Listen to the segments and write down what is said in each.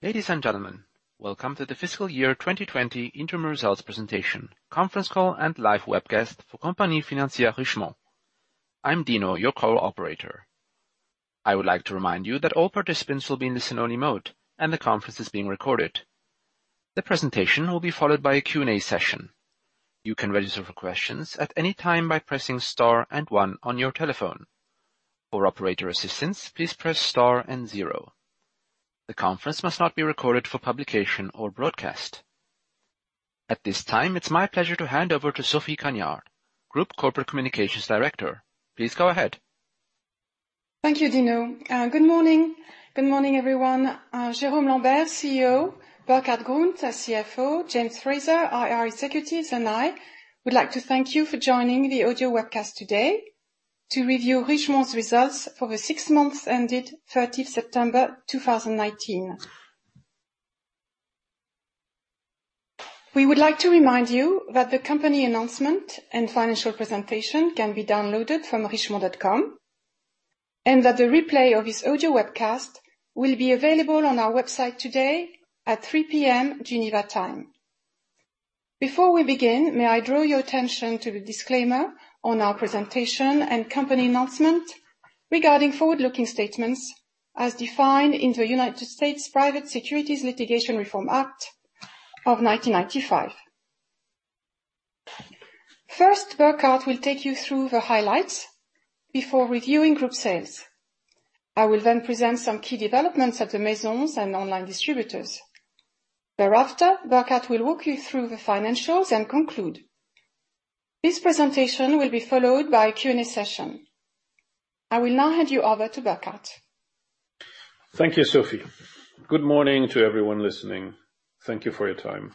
Ladies and gentlemen, welcome to the fiscal year 2020 interim results presentation, conference call and live webcast for Compagnie Financière Richemont. I'm Dino, your call operator. I would like to remind you that all participants will be in listen only mode, and the conference is being recorded. The presentation will be followed by a Q&A session. You can register for questions at any time by pressing Star and One on your telephone. For operator assistance, please press Star and Zero. The conference must not be recorded for publication or broadcast. At this time, it's my pleasure to hand over to Sophie Cagnard, Group Corporate Communications Director. Please go ahead. Thank you, Dino. Good morning. Good morning, everyone. Jérôme Lambert, CEO, Burkhart Grund, CFO, James Fraser, IR Executive and I, would like to thank you for joining the audio webcast today to review Richemont's results for the six months ended 30 September 2019. We would like to remind you that the company announcement and financial presentation can be downloaded from richemont.com, and that the replay of this audio webcast will be available on our website today at 3:00 P.M. Geneva time. Before we begin, may I draw your attention to the disclaimer on our presentation and company announcement regarding forward-looking statements as defined in the United States Private Securities Litigation Reform Act of 1995. First, Burkhart will take you through the highlights before reviewing group sales. I will present some key developments at the Maisons and online distributors. Thereafter, Burkhart will walk you through the financials and conclude. This presentation will be followed by a Q&A session. I will now hand you over to Burkhart. Thank you, Sophie. Good morning to everyone listening. Thank you for your time.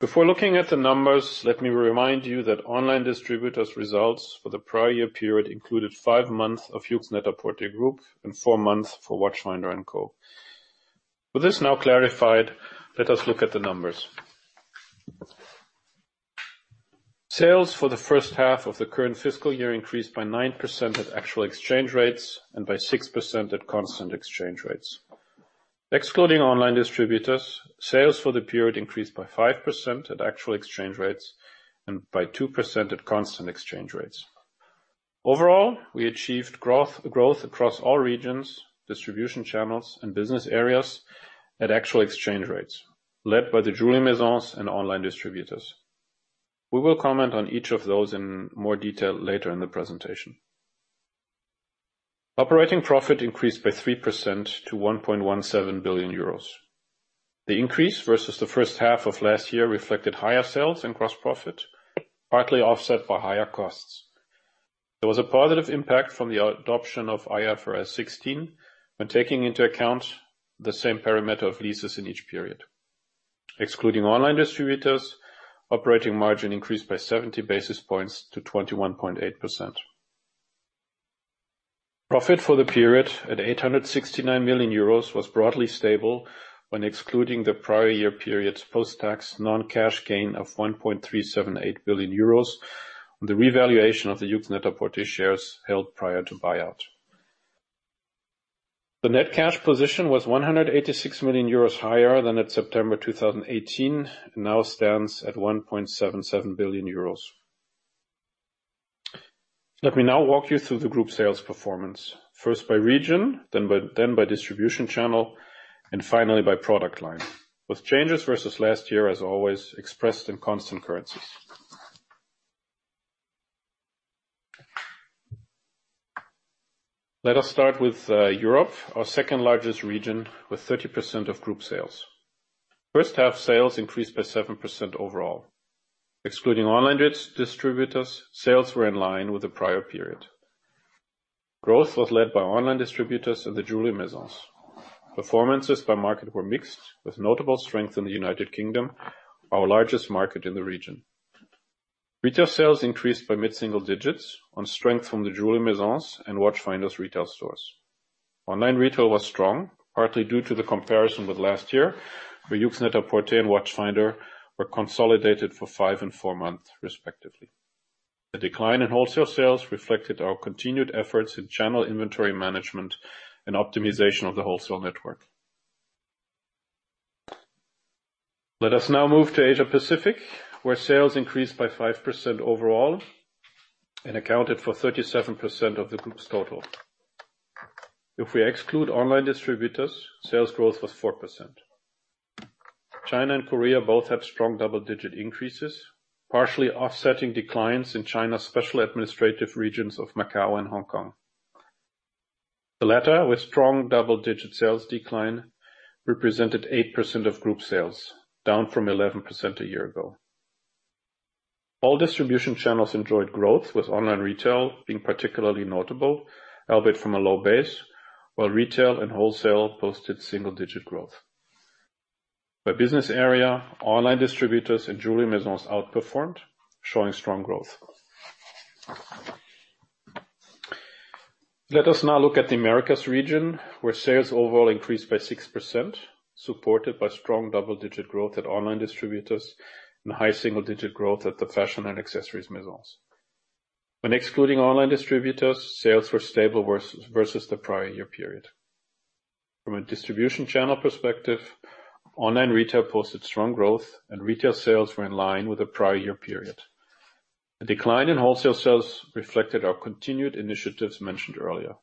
Before looking at the numbers, let me remind you that online distributors results for the prior year period included five months of YOOX Net-a-Porter Group and four months for Watchfinder & Co.. With this now clarified, let us look at the numbers. Sales for the first half of the current fiscal year increased by 9% at actual exchange rates and by 6% at constant exchange rates. Excluding online distributors, sales for the period increased by 5% at actual exchange rates and by 2% at constant exchange rates. Overall, we achieved growth across all regions, distribution channels and business areas at actual exchange rates, led by the Jewellery Maisons and online distributors. We will comment on each of those in more detail later in the presentation. Operating profit increased by 3% to 1.17 billion euros. The increase versus the first half of last year reflected higher sales and gross profit, partly offset by higher costs. There was a positive impact from the adoption of IFRS 16 when taking into account the same parameter of leases in each period. Excluding online distributors, operating margin increased by 70 basis points to 21.8%. Profit for the period at 869 million euros was broadly stable when excluding the prior year period's post-tax non-cash gain of 1.378 billion euros on the revaluation of the Yoox Net-a-Porter shares held prior to buyout. The net cash position was 186 million euros higher than at September 2018 and now stands at 1.77 billion euros. Let me now walk you through the group sales performance, first by region, then by distribution channel, and finally by product line. With changes versus last year, as always, expressed in constant currencies. Let us start with Europe, our second largest region with 30% of group sales. First half sales increased by 7% overall. Excluding online distributors, sales were in line with the prior period. Growth was led by online distributors and the Jewelry Maisons. Performances by market were mixed, with notable strength in the U.K., our largest market in the region. Retail sales increased by mid-single digits on strength from the Jewelry Maisons and Watchfinder's retail stores. Online retail was strong, partly due to the comparison with last year, where YOOX Net-a-Porter and Watchfinder were consolidated for five and four months, respectively. The decline in wholesale sales reflected our continued efforts in channel inventory management and optimization of the wholesale network. Let us now move to Asia-Pacific, where sales increased by 5% overall and accounted for 37% of the group's total. If we exclude online distributors, sales growth was 4%. China and Korea both have strong double-digit increases, partially offsetting declines in China's special administrative regions of Macau and Hong Kong. The latter, with strong double-digit sales decline, represented 8% of group sales, down from 11% a year ago. All distribution channels enjoyed growth, with online retail being particularly notable, albeit from a low base, while retail and wholesale posted single-digit growth. By business area, online distributors and Jewelry Maisons outperformed, showing strong growth. Let us now look at the Americas region, where sales overall increased by 6%, supported by strong double-digit growth at online distributors and high single-digit growth at the Fashion and Accessories Maisons. When excluding online distributors, sales were stable versus the prior year period. From a distribution channel perspective, online retail posted strong growth and retail sales were in line with the prior year period. The decline in wholesale sales reflected our continued initiatives mentioned earlier.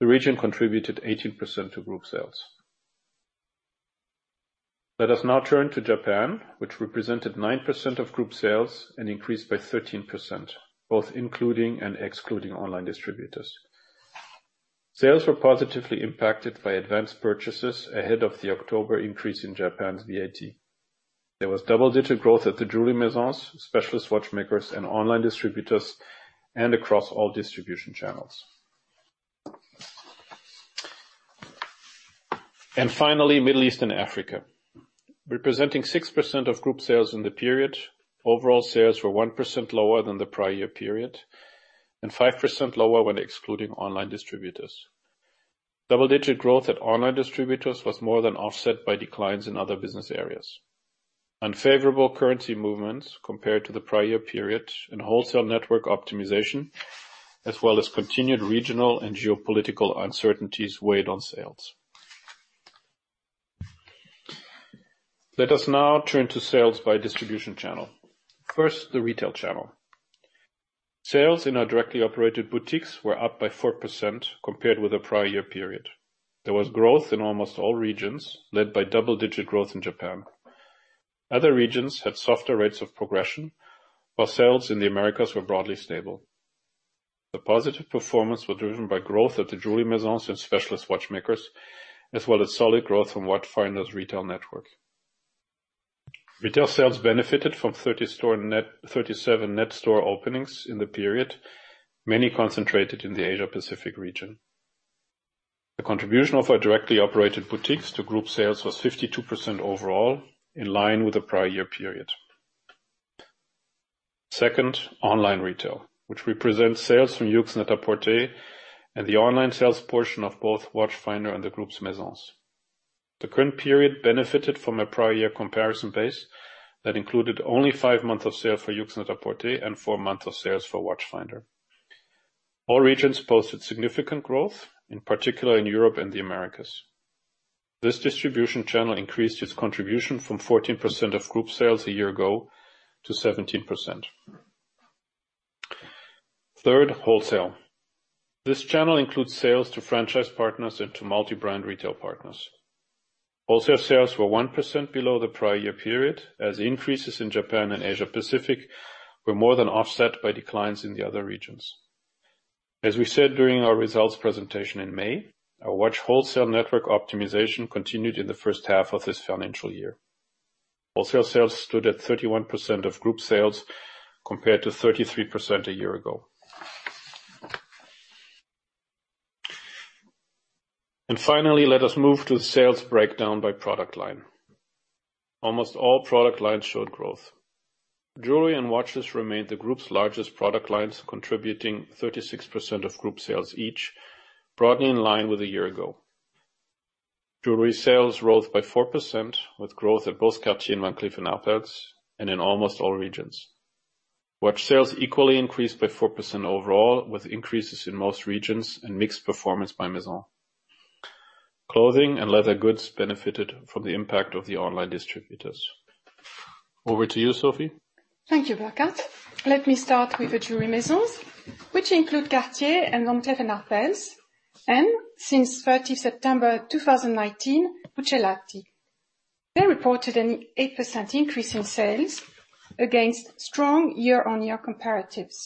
The region contributed 18% to group sales. Let us now turn to Japan, which represented 9% of group sales and increased by 13%, both including and excluding online distributors. Sales were positively impacted by advanced purchases ahead of the October increase in Japan's VAT. There was double-digit growth at the Jewellery Maisons, Specialist Watchmakers, and online distributors, and across all distribution channels. Finally, Middle East and Africa. Representing 6% of group sales in the period, overall sales were 1% lower than the prior-year period and 5% lower when excluding online distributors. Double-digit growth at online distributors was more than offset by declines in other business areas. Unfavorable currency movements compared to the prior-year period and wholesale network optimization, as well as continued regional and geopolitical uncertainties weighed on sales. Let us now turn to sales by distribution channel. First, the retail channel. Sales in our directly operated boutiques were up by 4% compared with the prior year period. There was growth in almost all regions, led by double-digit growth in Japan. Other regions had softer rates of progression, while sales in the Americas were broadly stable. The positive performance was driven by growth at the jewelry Maisons and Specialist Watchmakers, as well as solid growth from Watchfinder's retail network. Retail sales benefited from 37 net store openings in the period, many concentrated in the Asia Pacific region. The contribution of our directly operated boutiques to group sales was 52% overall, in line with the prior year period. Second, online retail, which represents sales from YOOX Net-a-Porter and the online sales portion of both Watchfinder and the group's Maisons. The current period benefited from a prior year comparison base that included only 5 months of sale for YOOX Net-a-Porter and 4 months of sales for Watchfinder. All regions posted significant growth, in particular in Europe and the Americas. This distribution channel increased its contribution from 14% of group sales a year ago to 17%. Third, wholesale. This channel includes sales to franchise partners and to multi-brand retail partners. Wholesale sales were 1% below the prior year period, as increases in Japan and Asia Pacific were more than offset by declines in the other regions. As we said during our results presentation in May, our watch wholesale network optimization continued in the first half of this financial year. Wholesale sales stood at 31% of group sales, compared to 33% a year ago. Finally, let us move to sales breakdown by product line. Almost all product lines showed growth. Jewelry and watches remained the group's largest product lines, contributing 36% of group sales each, broadly in line with a year ago. Jewelry sales rose by 4%, with growth at both Cartier and Van Cleef & Arpels, in almost all regions. Watch sales equally increased by 4% overall, with increases in most regions and mixed performance by Maison. Clothing and leather goods benefited from the impact of the online distributors. Over to you, Sophie. Thank you, Burkhart. Let me start with the Jewellery Maisons, which include Cartier and Van Cleef & Arpels, and since 30 September 2019, Buccellati. They reported an 8% increase in sales against strong year-on-year comparatives.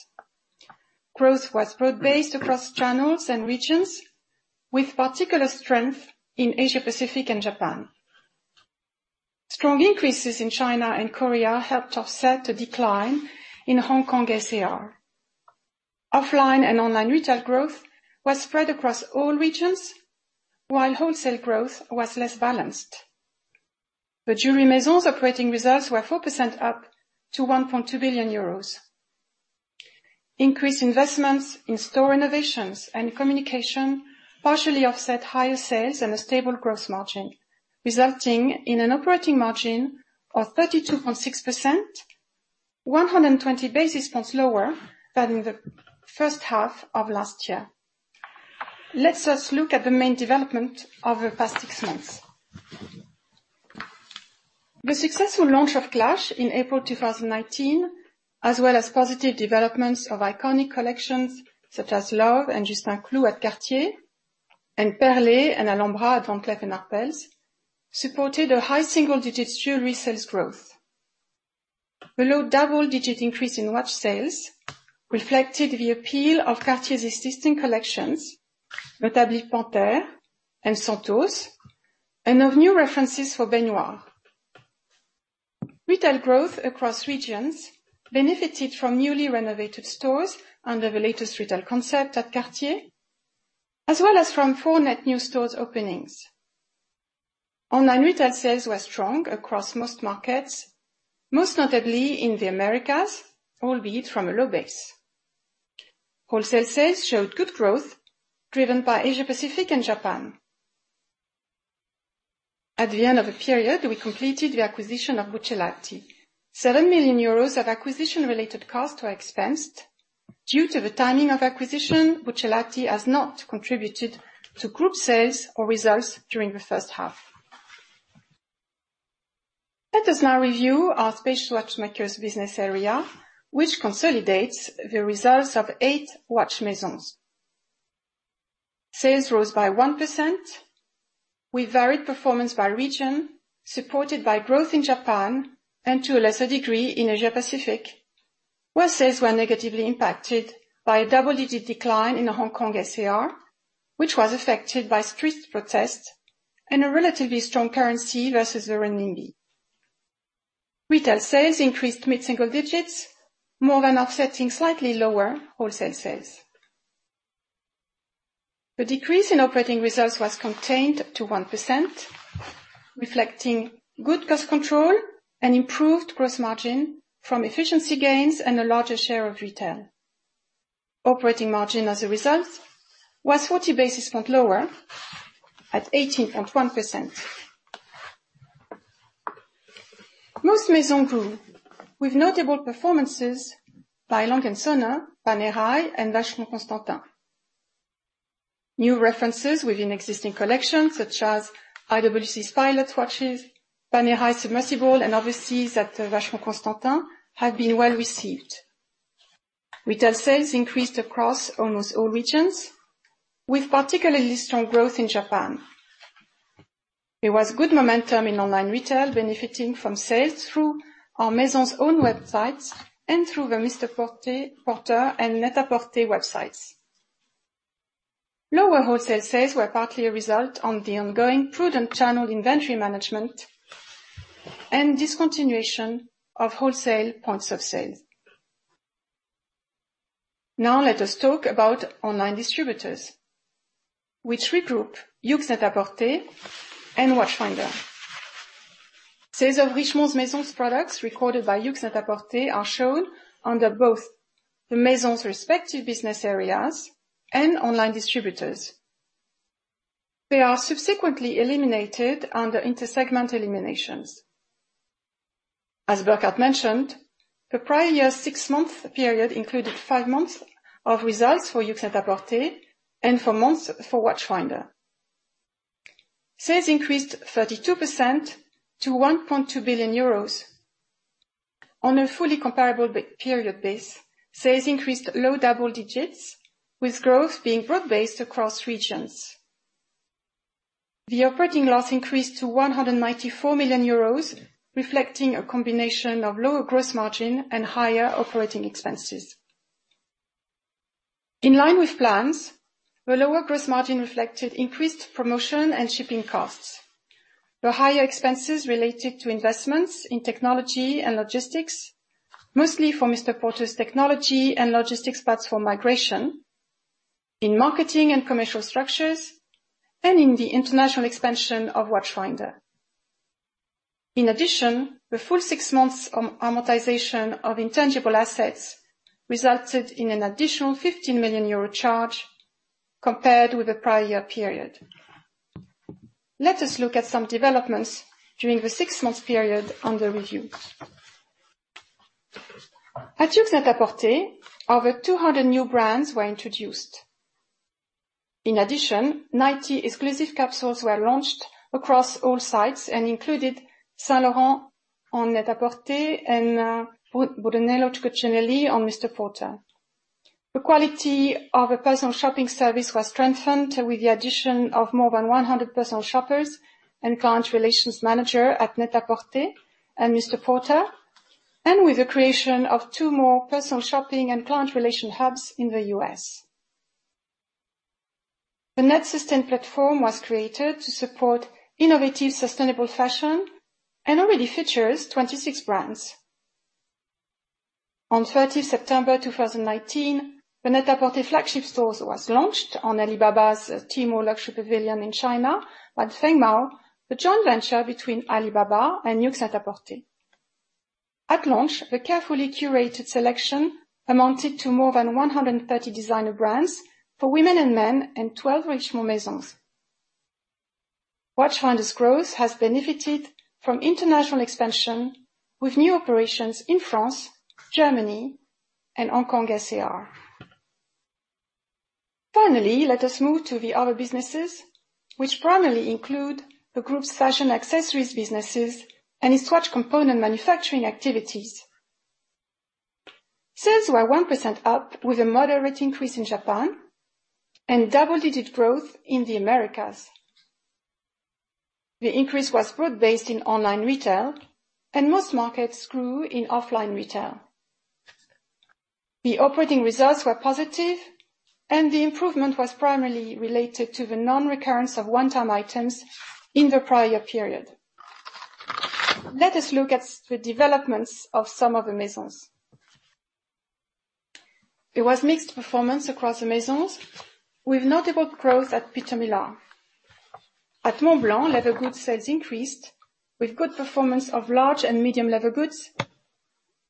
Growth was broad-based across channels and regions, with particular strength in Asia Pacific and Japan. Strong increases in China and Korea helped offset a decline in Hong Kong SAR. Offline and online retail growth was spread across all regions, while wholesale growth was less balanced. The Jewellery Maisons operating results were 4% up to 1.2 billion euros. Increased investments in store renovations and communication partially offset higher sales and a stable gross margin, resulting in an operating margin of 32.6%, 120 basis points lower than in the first half of last year. Let us look at the main development over the past six months. The successful launch of Clash in April 2019, as well as positive developments of iconic collections such as LOVE and Juste un Clou at Cartier, and Perlée and Alhambra at Van Cleef & Arpels, supported a high single-digit jewelry sales growth. Below double-digit increase in watch sales reflected the appeal of Cartier's existing collections, notably Panthère and Santos, and of new references for Baignoire. Retail growth across regions benefited from newly renovated stores under the latest retail concept at Cartier, as well as from four net new stores openings. Online retail sales were strong across most markets, most notably in the Americas, albeit from a low base. Wholesale sales showed good growth driven by Asia Pacific and Japan. At the end of the period, we completed the acquisition of Buccellati. 7 million euros of acquisition-related costs were expensed. Due to the timing of acquisition, Buccellati has not contributed to group sales or results during the first half. Let us now review our Specialist Watchmakers business area, which consolidates the results of eight watch maisons. Sales rose by 1%, with varied performance by region, supported by growth in Japan, and to a lesser degree, in Asia Pacific, where sales were negatively impacted by a double-digit decline in Hong Kong SAR, which was affected by street protests and a relatively strong currency versus the renminbi. Retail sales increased mid-single digits, more than offsetting slightly lower wholesale sales. The decrease in operating results was contained to 1%, reflecting good cost control and improved gross margin from efficiency gains and a larger share of retail. Operating margin as a result was 40 basis point lower at 18.1%. Most maisons grew, with notable performances by A. Lange & Söhne, Panerai, and Vacheron Constantin. New references within existing collections, such as IWC's Pilot's Watches, Panerai Submersible, and Overseas Vacheron Constantin, have been well received. Retail sales increased across almost all regions, with particularly strong growth in Japan. There was good momentum in online retail, benefiting from sales through our Maisons' own websites and through the MR PORTER and NET-A-PORTER websites. Lower wholesale sales were partly a result on the ongoing prudent channel inventory management and discontinuation of wholesale points of sales. Now let us talk about Online Distributors, which regroup YOOX Net-a-Porter and Watchfinder. Sales of Richemont's Maison products recorded by YOOX Net-a-Porter are shown under both the Maisons' respective business areas and Online Distributors. They are subsequently eliminated under intersegment eliminations. As Burkhart mentioned, the prior six-month period included five months of results for YOOX Net-a-Porter and four months for Watchfinder. Sales increased 32% to 1.2 billion euros. On a fully comparable period base, sales increased low double digits, with growth being broad-based across regions. The operating loss increased to 194 million euros, reflecting a combination of lower gross margin and higher operating expenses. In line with plans, the lower gross margin reflected increased promotion and shipping costs. The higher expenses related to investments in technology and logistics, mostly for MR PORTER's technology and logistics platform migration, in marketing and commercial structures, and in the international expansion of Watchfinder. In addition, the full six months amortization of intangible assets resulted in an additional 15 million euro charge compared with the prior period. Let us look at some developments during the six months period under review. At YOOX NET-A-PORTER, over 200 new brands were introduced. In addition, 90 exclusive capsules were launched across all sites and included Saint Laurent on NET-A-PORTER and Brunello Cucinelli on MR PORTER. The quality of the personal shopping service was strengthened with the addition of more than 100 personal shoppers and client relations manager at NET-A-PORTER and MR PORTER, with the creation of two more personal shopping and client relation hubs in the U.S. The NET SUSTAIN platform was created to support innovative, sustainable fashion and already features 26 brands. On 30 September 2019, the NET-A-PORTER flagship stores was launched on Alibaba's Tmall Luxury Pavilion in China by Fengmao, a joint venture between Alibaba and YOOX NET-A-PORTER. At launch, the carefully curated selection amounted to more than 130 designer brands for women and men and 12 Richemont Maisons. Watchfinder's growth has benefited from international expansion with new operations in France, Germany, and Hong Kong SAR. Finally, let us move to the other businesses, which primarily include the group's fashion accessories businesses and its watch component manufacturing activities. Sales were 1% up with a moderate increase in Japan and double-digit growth in the Americas. The increase was broad-based in online retail and most markets grew in offline retail. The operating results were positive. The improvement was primarily related to the non-recurrence of one-time items in the prior period. Let us look at the developments of some of the Maisons. It was mixed performance across the Maisons, with notable growth at Peter Millar. At Montblanc, leather goods sales increased with good performance of large and medium leather goods,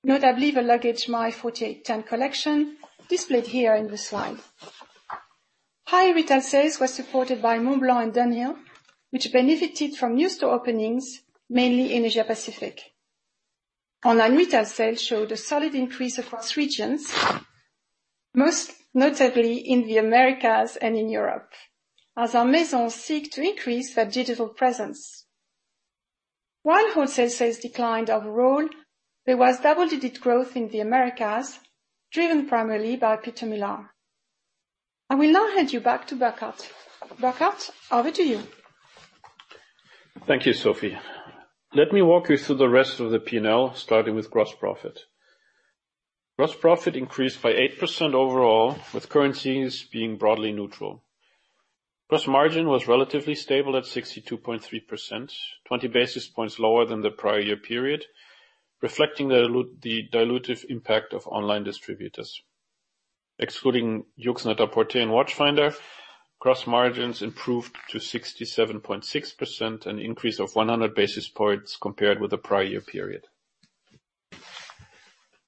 notably the luggage MY4810 collection displayed here in the slide. Higher retail sales were supported by Montblanc and dunhill, which benefited from new store openings, mainly in Asia Pacific. Online retail sales showed a solid increase across regions, most notably in the Americas and in Europe, as our maisons seek to increase their digital presence. While wholesale sales declined overall, there was double-digit growth in the Americas, driven primarily by Peter Millar. I will now hand you back to Burkhart. Burkhart, over to you. Thank you, Sophie. Let me walk you through the rest of the P&L, starting with gross profit. Gross profit increased by 8% overall, with currencies being broadly neutral. Gross margin was relatively stable at 62.3%, 20 basis points lower than the prior year period, reflecting the dilutive impact of online distributors. Excluding YOOX Net-a-Porter and Watchfinder, gross margins improved to 67.6%, an increase of 100 basis points compared with the prior year period.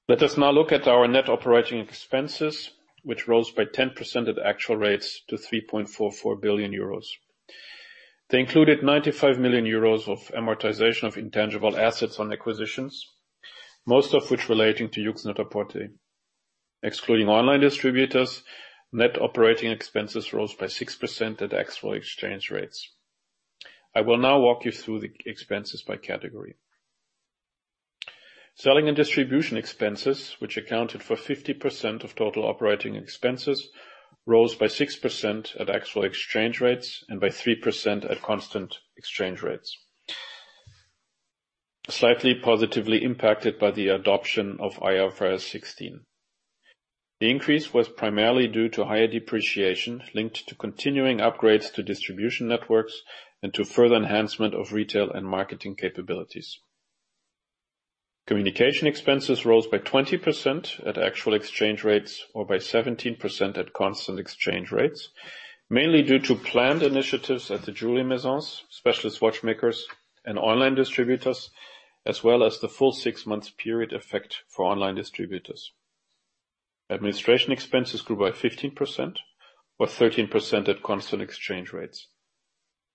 Let us now look at our net operating expenses, which rose by 10% at actual rates to 3.44 billion euros. They included 95 million euros of amortization of intangible assets on acquisitions, most of which relating to YOOX Net-a-Porter. Excluding online distributors, net operating expenses rose by 6% at actual exchange rates. I will now walk you through the expenses by category. Selling and distribution expenses, which accounted for 50% of total operating expenses, rose by 6% at actual exchange rates and by 3% at constant exchange rates, slightly positively impacted by the adoption of IFRS 16. The increase was primarily due to higher depreciation linked to continuing upgrades to distribution networks and to further enhancement of retail and marketing capabilities. Communication expenses rose by 20% at actual exchange rates or by 17% at constant exchange rates, mainly due to planned initiatives at the Jewellery Maisons, Specialist Watchmakers, and online distributors, as well as the full six-month period effect for online distributors. Administration expenses grew by 15% or 13% at constant exchange rates.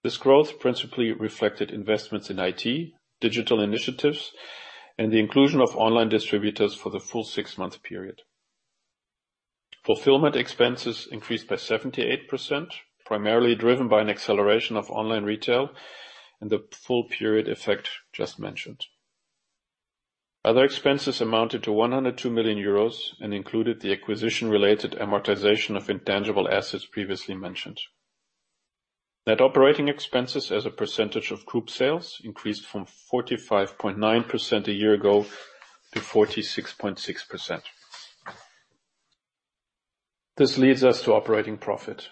This growth principally reflected investments in IT, digital initiatives, and the inclusion of online distributors for the full six-month period. Fulfillment expenses increased by 78%, primarily driven by an acceleration of online retail and the full period effect just mentioned. Other expenses amounted to €102 million and included the acquisition-related amortization of intangible assets previously mentioned. Net operating expenses as a percentage of group sales increased from 45.9% a year ago to 46.6%. This leads us to operating profit.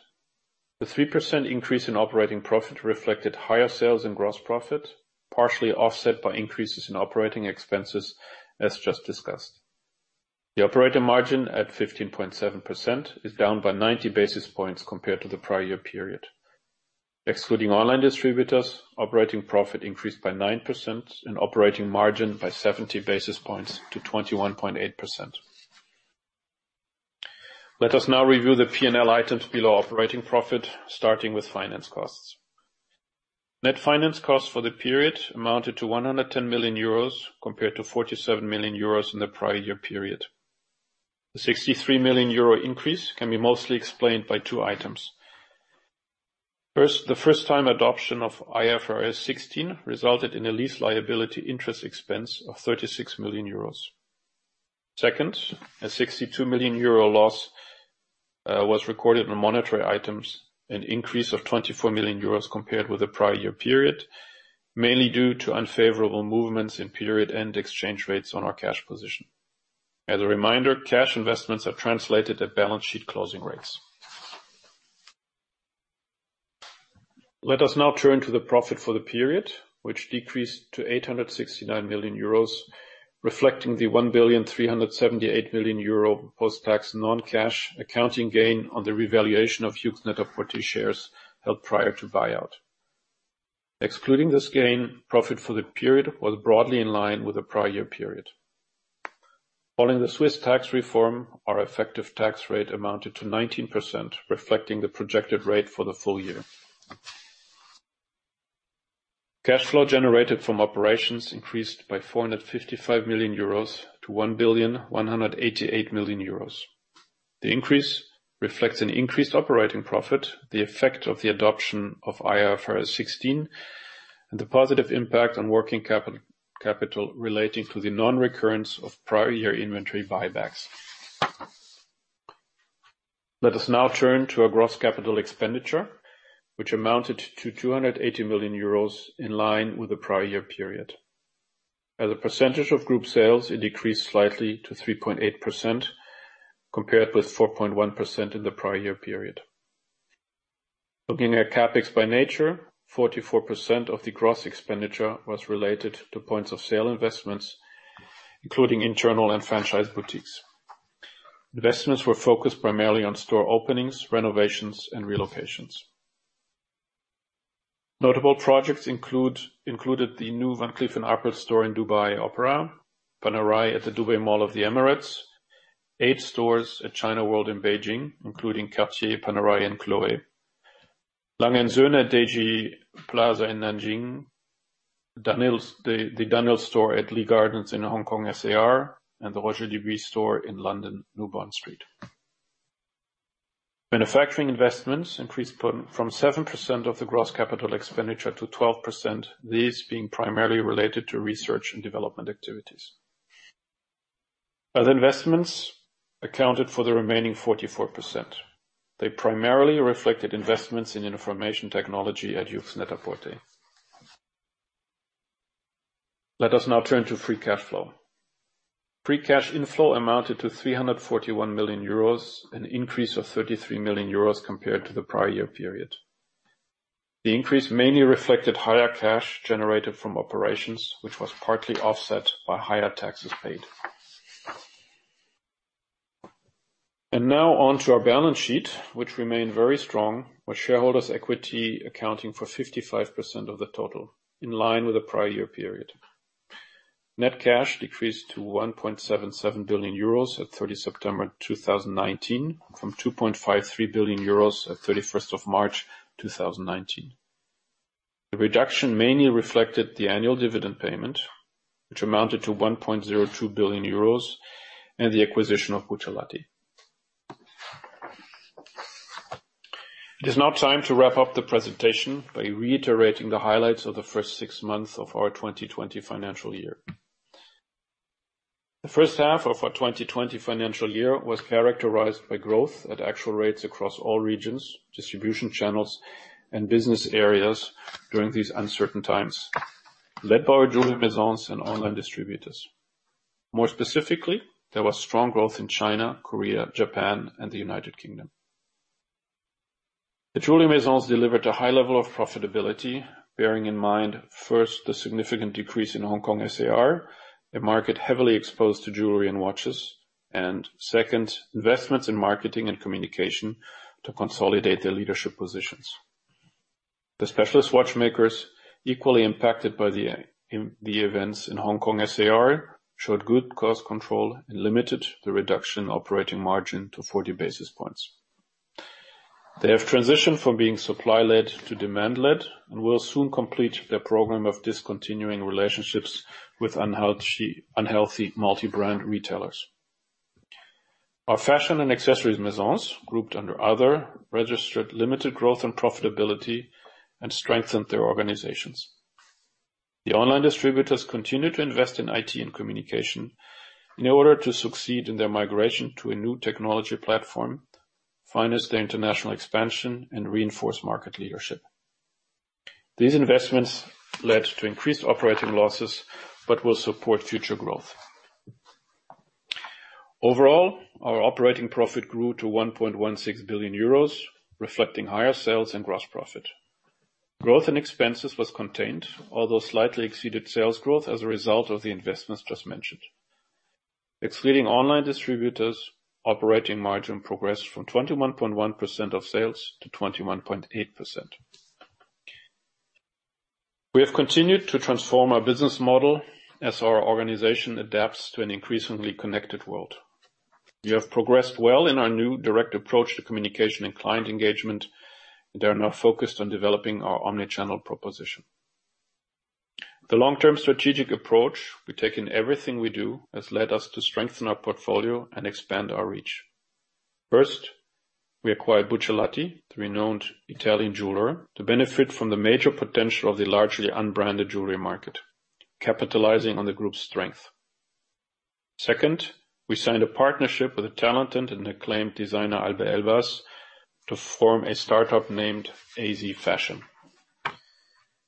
The 3% increase in operating profit reflected higher sales and gross profit, partially offset by increases in operating expenses, as just discussed. The operating margin at 15.7% is down by 90 basis points compared to the prior year period. Excluding online distributors, operating profit increased by 9% and operating margin by 70 basis points to 21.8%. Let us now review the P&L items below operating profit, starting with finance costs. Net finance costs for the period amounted to €110 million compared to €47 million in the prior year period. The 63 million euro increase can be mostly explained by two items. First, the first-time adoption of IFRS 16 resulted in a lease liability interest expense of 36 million euros. Second, a 62 million euro loss was recorded on monetary items, an increase of 24 million euros compared with the prior year period, mainly due to unfavorable movements in period end exchange rates on our cash position. As a reminder, cash investments are translated at balance sheet closing rates. Let us now turn to the profit for the period, which decreased to 869 million euros, reflecting the 1,378,000 billion euro post-tax non-cash accounting gain on the revaluation of Yoox Net-a-Porter shares held prior to buyout. Excluding this gain, profit for the period was broadly in line with the prior year period. Following the Swiss tax reform, our effective tax rate amounted to 19%, reflecting the projected rate for the full year. Cash flow generated from operations increased by 455 million euros to 1,188 million euros. The increase reflects an increased operating profit, the effect of the adoption of IFRS 16, and the positive impact on working capital relating to the non-recurrence of prior year inventory buybacks. Let us now turn to our gross capital expenditure, which amounted to 280 million euros, in line with the prior year period. As a percentage of group sales, it decreased slightly to 3.8%, compared with 4.1% in the prior year period. Looking at CapEx by nature, 44% of the gross expenditure was related to points of sale investments, including internal and franchise boutiques. Investments were focused primarily on store openings, renovations, and relocations. Notable projects included the new Van Cleef & Arpels store in Dubai Opera, Panerai at the Dubai Mall of the Emirates, eight stores at China World in Beijing, including Cartier, Panerai, and Chloé. Lange & Söhne at Deji Plaza in Nanjing, the dunhill store at Lee Gardens in Hong Kong SAR, and the Roger Dubuis store in London, New Bond Street. Manufacturing investments increased from 7% of the gross capital expenditure to 12%, these being primarily related to research and development activities. Other investments accounted for the remaining 44%. They primarily reflected investments in information technology at YOOX Net-a-Porter. Let us now turn to free cash flow. Free cash inflow amounted to 341 million euros, an increase of 33 million euros compared to the prior year period. The increase mainly reflected higher cash generated from operations, which was partly offset by higher taxes paid. Now on to our balance sheet, which remained very strong, with shareholders' equity accounting for 55% of the total, in line with the prior year period. Net cash decreased to €1.77 billion at 30 September 2019, from €2.53 billion at 31st of March 2019. The reduction mainly reflected the annual dividend payment, which amounted to €1.02 billion, and the acquisition of Buccellati. It is now time to wrap up the presentation by reiterating the highlights of the first six months of our 2020 financial year. The first half of our 2020 financial year was characterized by growth at actual rates across all regions, distribution channels, and business areas during these uncertain times, led by our Jewellery Maisons and online distributors. More specifically, there was strong growth in China, Korea, Japan, and the United Kingdom. The Jewellery Maisons delivered a high level of profitability, bearing in mind, first, the significant decrease in Hong Kong SAR, a market heavily exposed to jewelry and watches. Second, investments in marketing and communication to consolidate their leadership positions. The Specialist Watchmakers, equally impacted by the events in Hong Kong SAR, showed good cost control and limited the reduction operating margin to 40 basis points. They have transitioned from being supply-led to demand-led and will soon complete their program of discontinuing relationships with unhealthy multi-brand retailers. Our Fashion and Accessories Maisons, grouped under "other," registered limited growth and profitability and strengthened their organizations. The online distributors continued to invest in IT and communication in order to succeed in their migration to a new technology platform, finance their international expansion, and reinforce market leadership. These investments led to increased operating losses but will support future growth. Overall, our operating profit grew to 1.16 billion euros, reflecting higher sales and gross profit. Growth in expenses was contained, although slightly exceeded sales growth as a result of the investments just mentioned. Excluding online distributors, operating margin progressed from 21.1% of sales to 21.8%. We have continued to transform our business model as our organization adapts to an increasingly connected world. We have progressed well in our new direct approach to communication and client engagement, and are now focused on developing our omni-channel proposition. The long-term strategic approach we take in everything we do has led us to strengthen our portfolio and expand our reach. First, we acquired Buccellati, the renowned Italian jeweler, to benefit from the major potential of the largely unbranded jewelry market, capitalizing on the group's strength. Second, we signed a partnership with the talented and acclaimed designer, Alber Elbaz, to form a startup named AZ Fashion.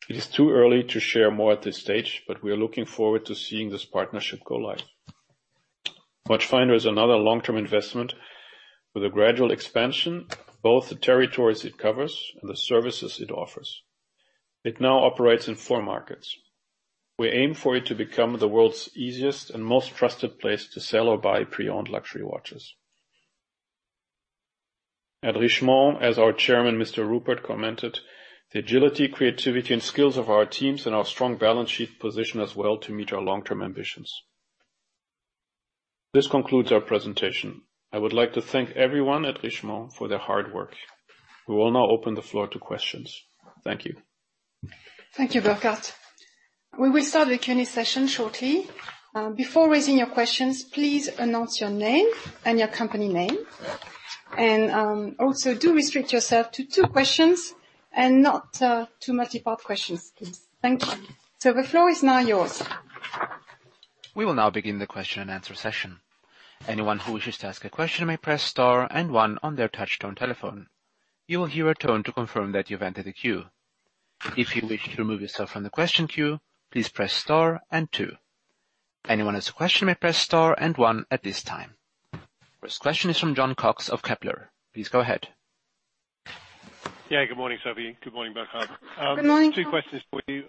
It is too early to share more at this stage, but we are looking forward to seeing this partnership go live. Watchfinder is another long-term investment with a gradual expansion of both the territories it covers and the services it offers. It now operates in four markets. We aim for it to become the world's easiest and most trusted place to sell or buy pre-owned luxury watches. At Richemont, as our chairman, Mr. Rupert, commented, "The agility, creativity, and skills of our teams and our strong balance sheet position us well to meet our long-term ambitions." This concludes our presentation. I would like to thank everyone at Richemont for their hard work. We will now open the floor to questions. Thank you. Thank you, Burkhart. We will start the Q&A session shortly. Before raising your questions, please announce your name and your company name. Also do restrict yourself to two questions and not to multi-part questions, please. Thank you. The floor is now yours. We will now begin the question and answer session. Anyone who wishes to ask a question may press star and one on their touchtone telephone. You will hear a tone to confirm that you've entered the queue. If you wish to remove yourself from the question queue, please press star and two. Anyone who has a question may press star and one at this time. First question is from Jon Cox of Kepler. Please go ahead. Yeah, good morning, Sophie. Good morning, Burkhart. Good morning. Two questions for you.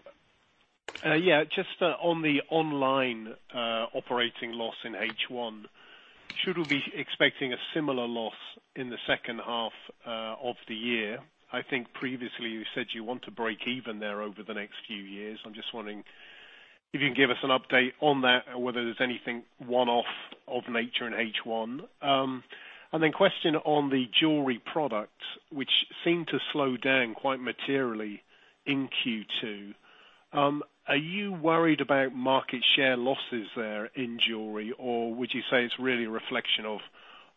Just on the online operating loss in H1, should we be expecting a similar loss in the second half of the year? I think previously you said you want to break even there over the next few years. I'm just wondering if you can give us an update on that, or whether there is anything one-off of nature in H1. Question on the jewelry product, which seemed to slow down quite materially in Q2. Are you worried about market share losses there in jewelry, or would you say it is really a reflection of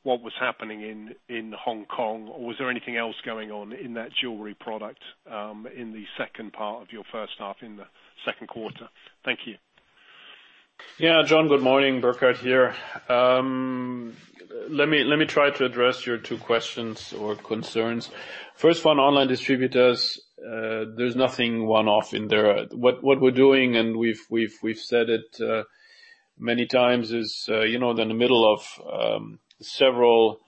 what was happening in Hong Kong? Was there anything else going on in that jewelry product, in the second part of your first half, in the second quarter? Thank you. Yeah. Jon, good morning. Burkhart here. Let me try to address your two questions or concerns. First one, online distributors, there's nothing one-off in there. What we're doing, and we've said it many times, is in the middle of several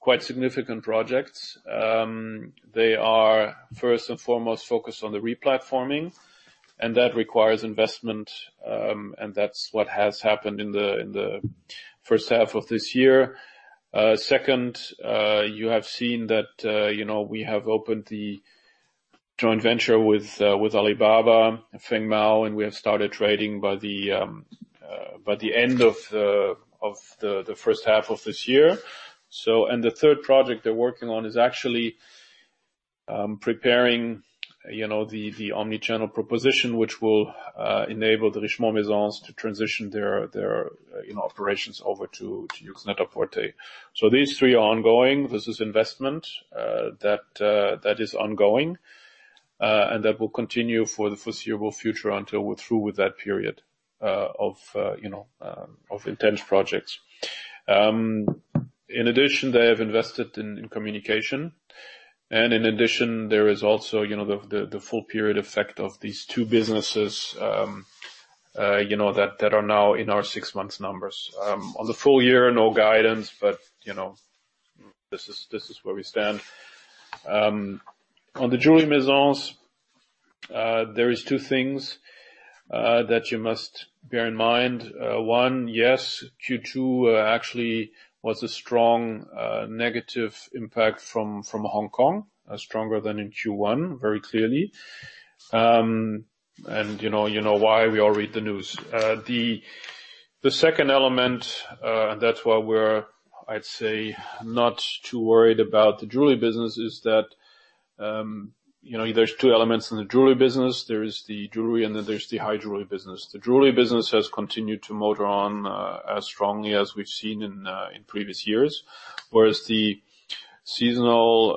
quite significant projects. They are first and foremost focused on the re-platforming, and that requires investment. That's what has happened in the first half of this year. Second, you have seen that we have opened the joint venture with Alibaba, Fengmao, and we have started trading by the end of the first half of this year. The third project they're working on is actually preparing the omni-channel proposition, which will enable the Richemont Maisons to transition their operations over to YOOX Net-a-Porter. These three are ongoing. This is investment that is ongoing, and that will continue for the foreseeable future until we're through with that period of intense projects. In addition, they have invested in communication. In addition, there is also the full period effect of these two businesses that are now in our six months numbers. On the full year, no guidance, this is where we stand. On the Jewellery Maisons, there is two things that you must bear in mind. One, yes, Q2 actually was a strong negative impact from Hong Kong, stronger than in Q1, very clearly. You know why. We all read the news. The second element, that's why we're, I'd say, not too worried about the jewelry business, is that there's two elements in the jewelry business. There is the jewelry, there's the high jewelry business. The jewelry business has continued to motor on as strongly as we've seen in previous years, whereas the seasonal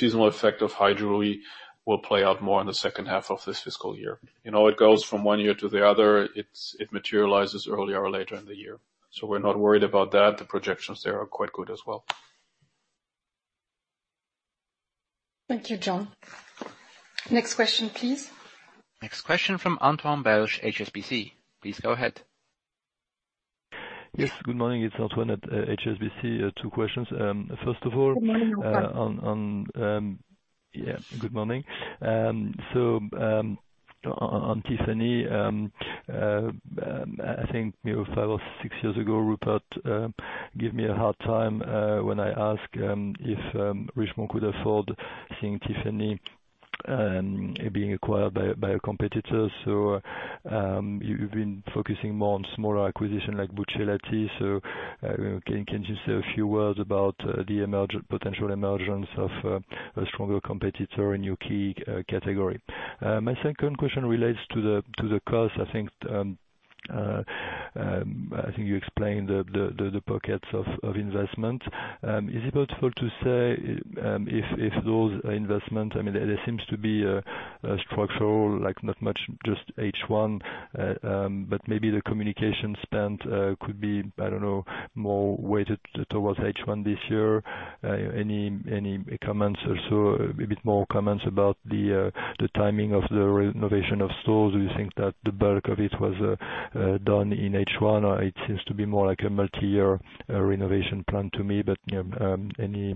effect of high jewelry will play out more in the second half of this fiscal year. It goes from one year to the other. It materializes earlier or later in the year. We're not worried about that. The projections there are quite good as well. Thank you, Jon. Next question, please. Next question from Antoine Belge, HSBC. Please go ahead. Yes. Good morning. It's Antoine at HSBC. Two questions. Good morning, Antoine. Yeah, good morning. On Tiffany, I think five or six years ago, Rupert gave me a hard time when I asked if Richemont could afford seeing Tiffany being acquired by a competitor. You've been focusing more on smaller acquisition like Buccellati. Can you just say a few words about the potential emergence of a stronger competitor in your key category? My second question relates to the cost. I think you explained the pockets of investment. Is it possible to say if those investments, I mean, there seems to be a structural, like not much, just H1. Maybe the communication spent could be, I don't know, more weighted towards H1 this year. Any comments or so a bit more comments about the timing of the renovation of stores? Do you think that the bulk of it was done in H1, or it seems to be more like a multi-year renovation plan to me? Any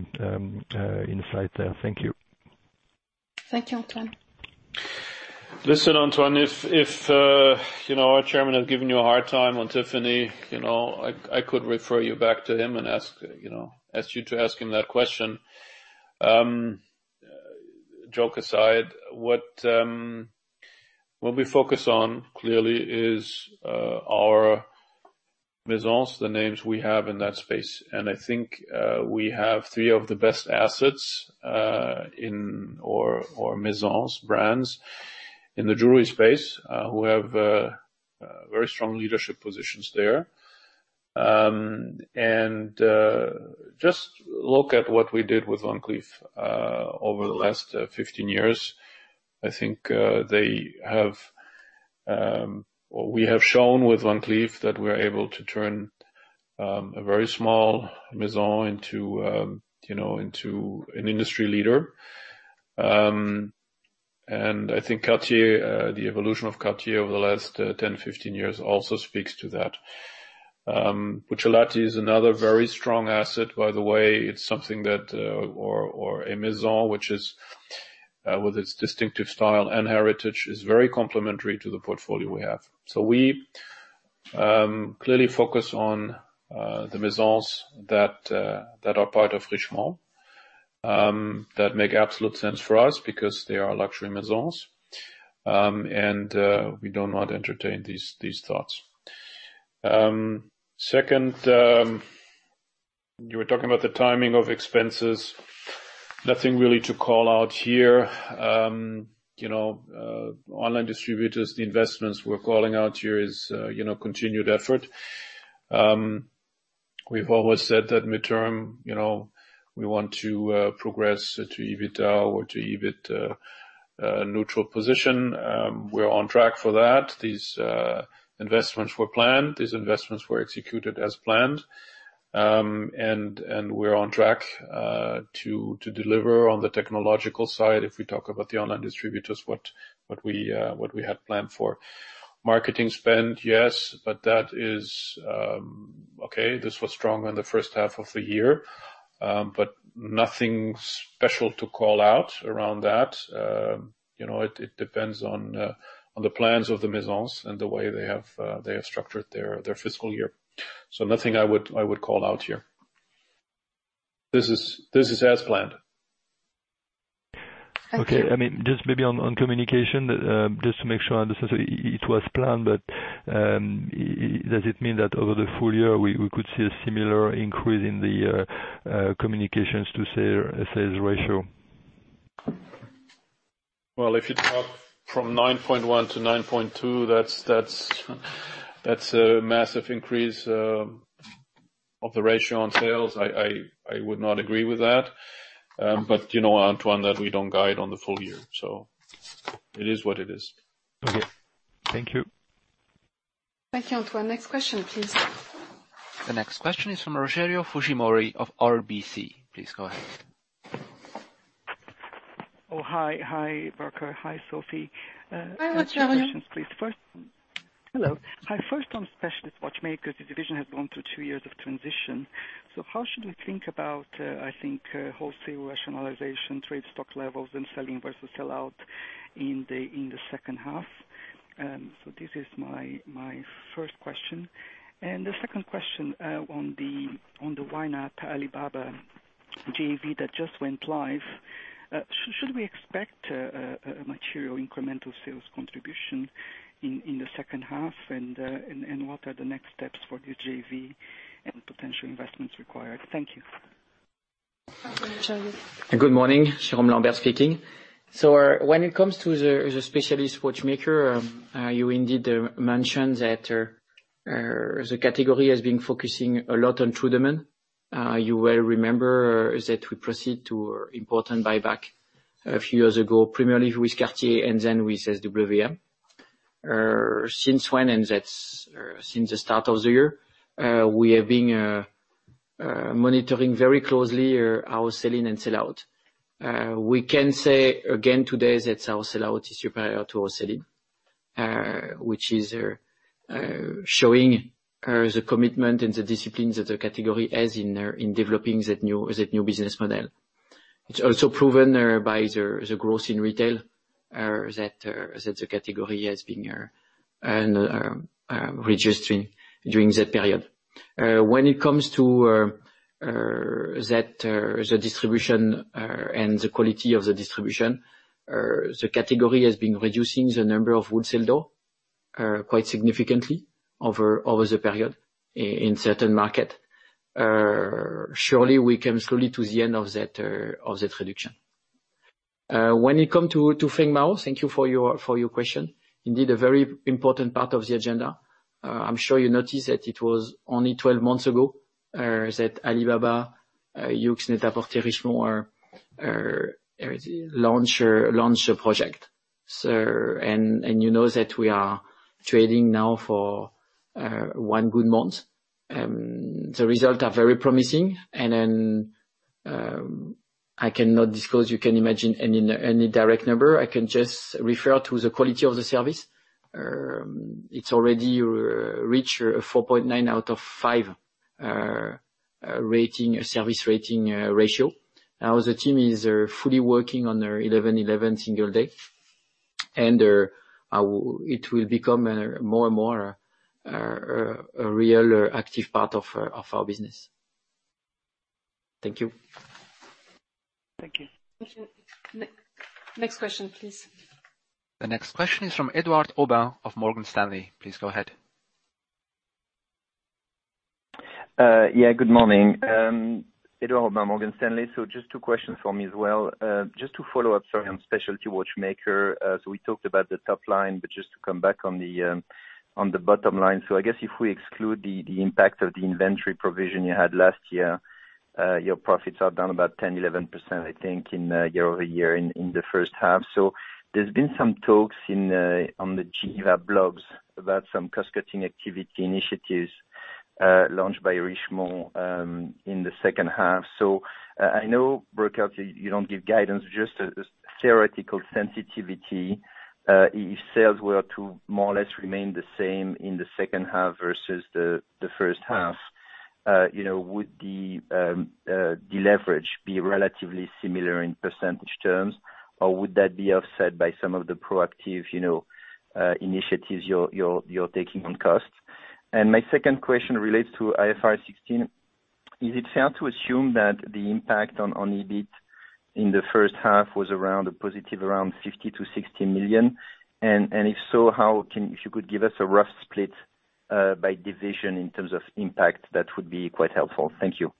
insight there? Thank you. Thank you, Antoine. Listen, Antoine, if our chairman has given you a hard time on Tiffany, I could refer you back to him and ask you to ask him that question. Joke aside, what we focus on, clearly, is our Maisons, the names we have in that space. I think we have three of the best assets or Maisons brands in the jewelry space, who have very strong leadership positions there. Just look at what we did with Van Cleef over the last 15 years. I think we have shown with Van Cleef that we are able to turn a very small Maison into an industry leader. I think Cartier, the evolution of Cartier over the last 10, 15 years also speaks to that. Buccellati is another very strong asset, by the way. A Maison, which with its distinctive style and heritage, is very complementary to the portfolio we have. We clearly focus on the maisons that are part of Richemont, that make absolute sense for us because they are luxury maisons. We do not entertain these thoughts. Second, you were talking about the timing of expenses. Nothing really to call out here. Online distributors, the investments we're calling out here is continued effort. We've always said that midterm, we want to progress to EBITA or to EBITA neutral position. We're on track for that. These investments were planned, these investments were executed as planned. We're on track to deliver on the technological side, if we talk about the online distributors, what we had planned for. Marketing spend, yes. Okay, this was strong in the first half of the year, but nothing special to call out around that. It depends on the plans of the maisons and the way they have structured their fiscal year. Nothing I would call out here. This is as planned. Okay. Just maybe on communication, just to make sure I understand. It was planned, but does it mean that over the full year we could see a similar increase in the communications to sales ratio? Well, if you talk from 9.1-9.2, that's a massive increase of the ratio on sales. I would not agree with that. You know, Antoine, that we don't guide on the full year, it is what it is. Okay. Thank you. Thank you, Antoine. Next question, please. The next question is from Rogerio Fujimori of RBC. Please go ahead. Oh, hi. Hi, Burkhart. Hi, Sophie. Hi, Rogerio. Two questions, please. Hello. First on Specialist Watchmakers. The division has gone through two years of transition. How should we think about wholesale rationalization, trade stock levels, and sell-in versus sell-out in the second half? This is my first question. The second question on the YNAP Alibaba JV that just went live. Should we expect a material incremental sales contribution in the second half? What are the next steps for the JV and potential investments required? Thank you. Thank you, Rogerio. Good morning, Jérôme Lambert speaking. When it comes to the Specialist Watchmakers, you indeed mentioned that the category has been focusing a lot on true demand. You will remember that we proceed to important buyback a few years ago, primarily with Cartier and then with [brevier]. Since when, and that's since the start of the year, we have been monitoring very closely our sell-in and sell-out. We can say again today that our sell-out is superior to our sell-in, which is showing the commitment and the disciplines that the category has in developing that new business model. It's also proven by the growth in retail that the category has been registering during that period. When it comes to the distribution and the quality of the distribution, the category has been reducing the number of wholesale door quite significantly over the period in certain market. Surely we come slowly to the end of that reduction. When it come to Fengmao, thank you for your question. A very important part of the agenda. I'm sure you noticed that it was only 12 months ago that Alibaba, YOOX Net-a-Porter, Richemont launched a project. You know that we are trading now for one good month. The result are very promising. I cannot disclose, you can imagine any direct number. I can just refer to the quality of the service. It's already reached a 4.9 out of 5 service rating ratio. The team is fully working on their 11.11 single day. It will become more and more a real active part of our business. Thank you. Thank you. Thank you. Next question, please. The next question is from Edouard Aubin of Morgan Stanley. Please go ahead. Good morning. Edouard Aubin, Morgan Stanley. Just two questions from me as well. Just to follow up, sorry, on Specialty Watchmaker. We talked about the top line, but just to come back on the bottom line. I guess if we exclude the impact of the inventory provision you had last year, your profits are down about 10%, 11%, I think in year-over-year in the first half. There's been some talks on the Geneva blogs about some cost-cutting activity initiatives launched by Richemont in the second half. I know, Burkhart, you don't give guidance, just a theoretical sensitivity. If sales were to more or less remain the same in the second half versus the first half, would the deleverage be relatively similar in percentage terms, or would that be offset by some of the proactive initiatives you're taking on costs? My second question relates to IFRS 16. Is it fair to assume that the impact on EBIT in the first half was around a positive around 50 million-60 million? If so, if you could give us a rough split by division in terms of impact, that would be quite helpful. Thank you.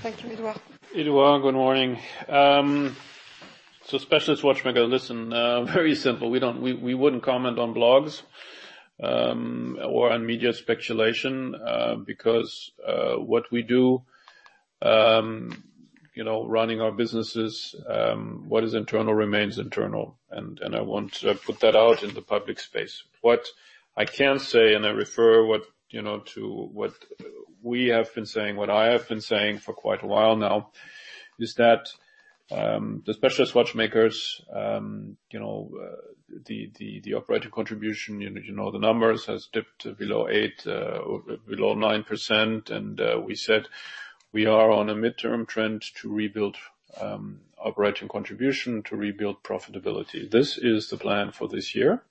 Thank you. Edouard. Edouard, good morning. Specialist watchmaker, listen, very simple. We wouldn't comment on blogs or on media speculation, because what we do, running our businesses, what is internal remains internal. I won't put that out in the public space. What I can say, and I refer to what we have been saying, what I have been saying for quite a while now, is that the specialist watchmakers, the operating contribution, the numbers, has dipped below 8, below 9%, and we said we are on a midterm trend to rebuild operating contribution, to rebuild profitability. This is the plan for this year,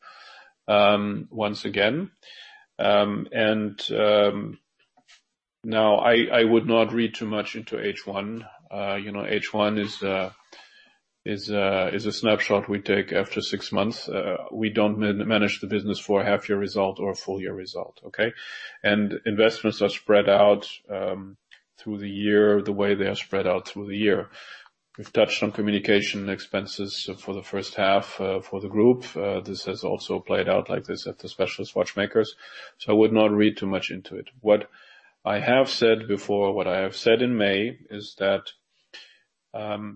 once again. I would not read too much into H1. H1 is a snapshot we take after six months. We don't manage the business for a half-year result or a full-year result, okay? Investments are spread out through the year, the way they are spread out through the year. We've touched on communication expenses for the first half for the group. This has also played out like this at the specialist watchmakers. I would not read too much into it. What I have said before, what I have said in May, is that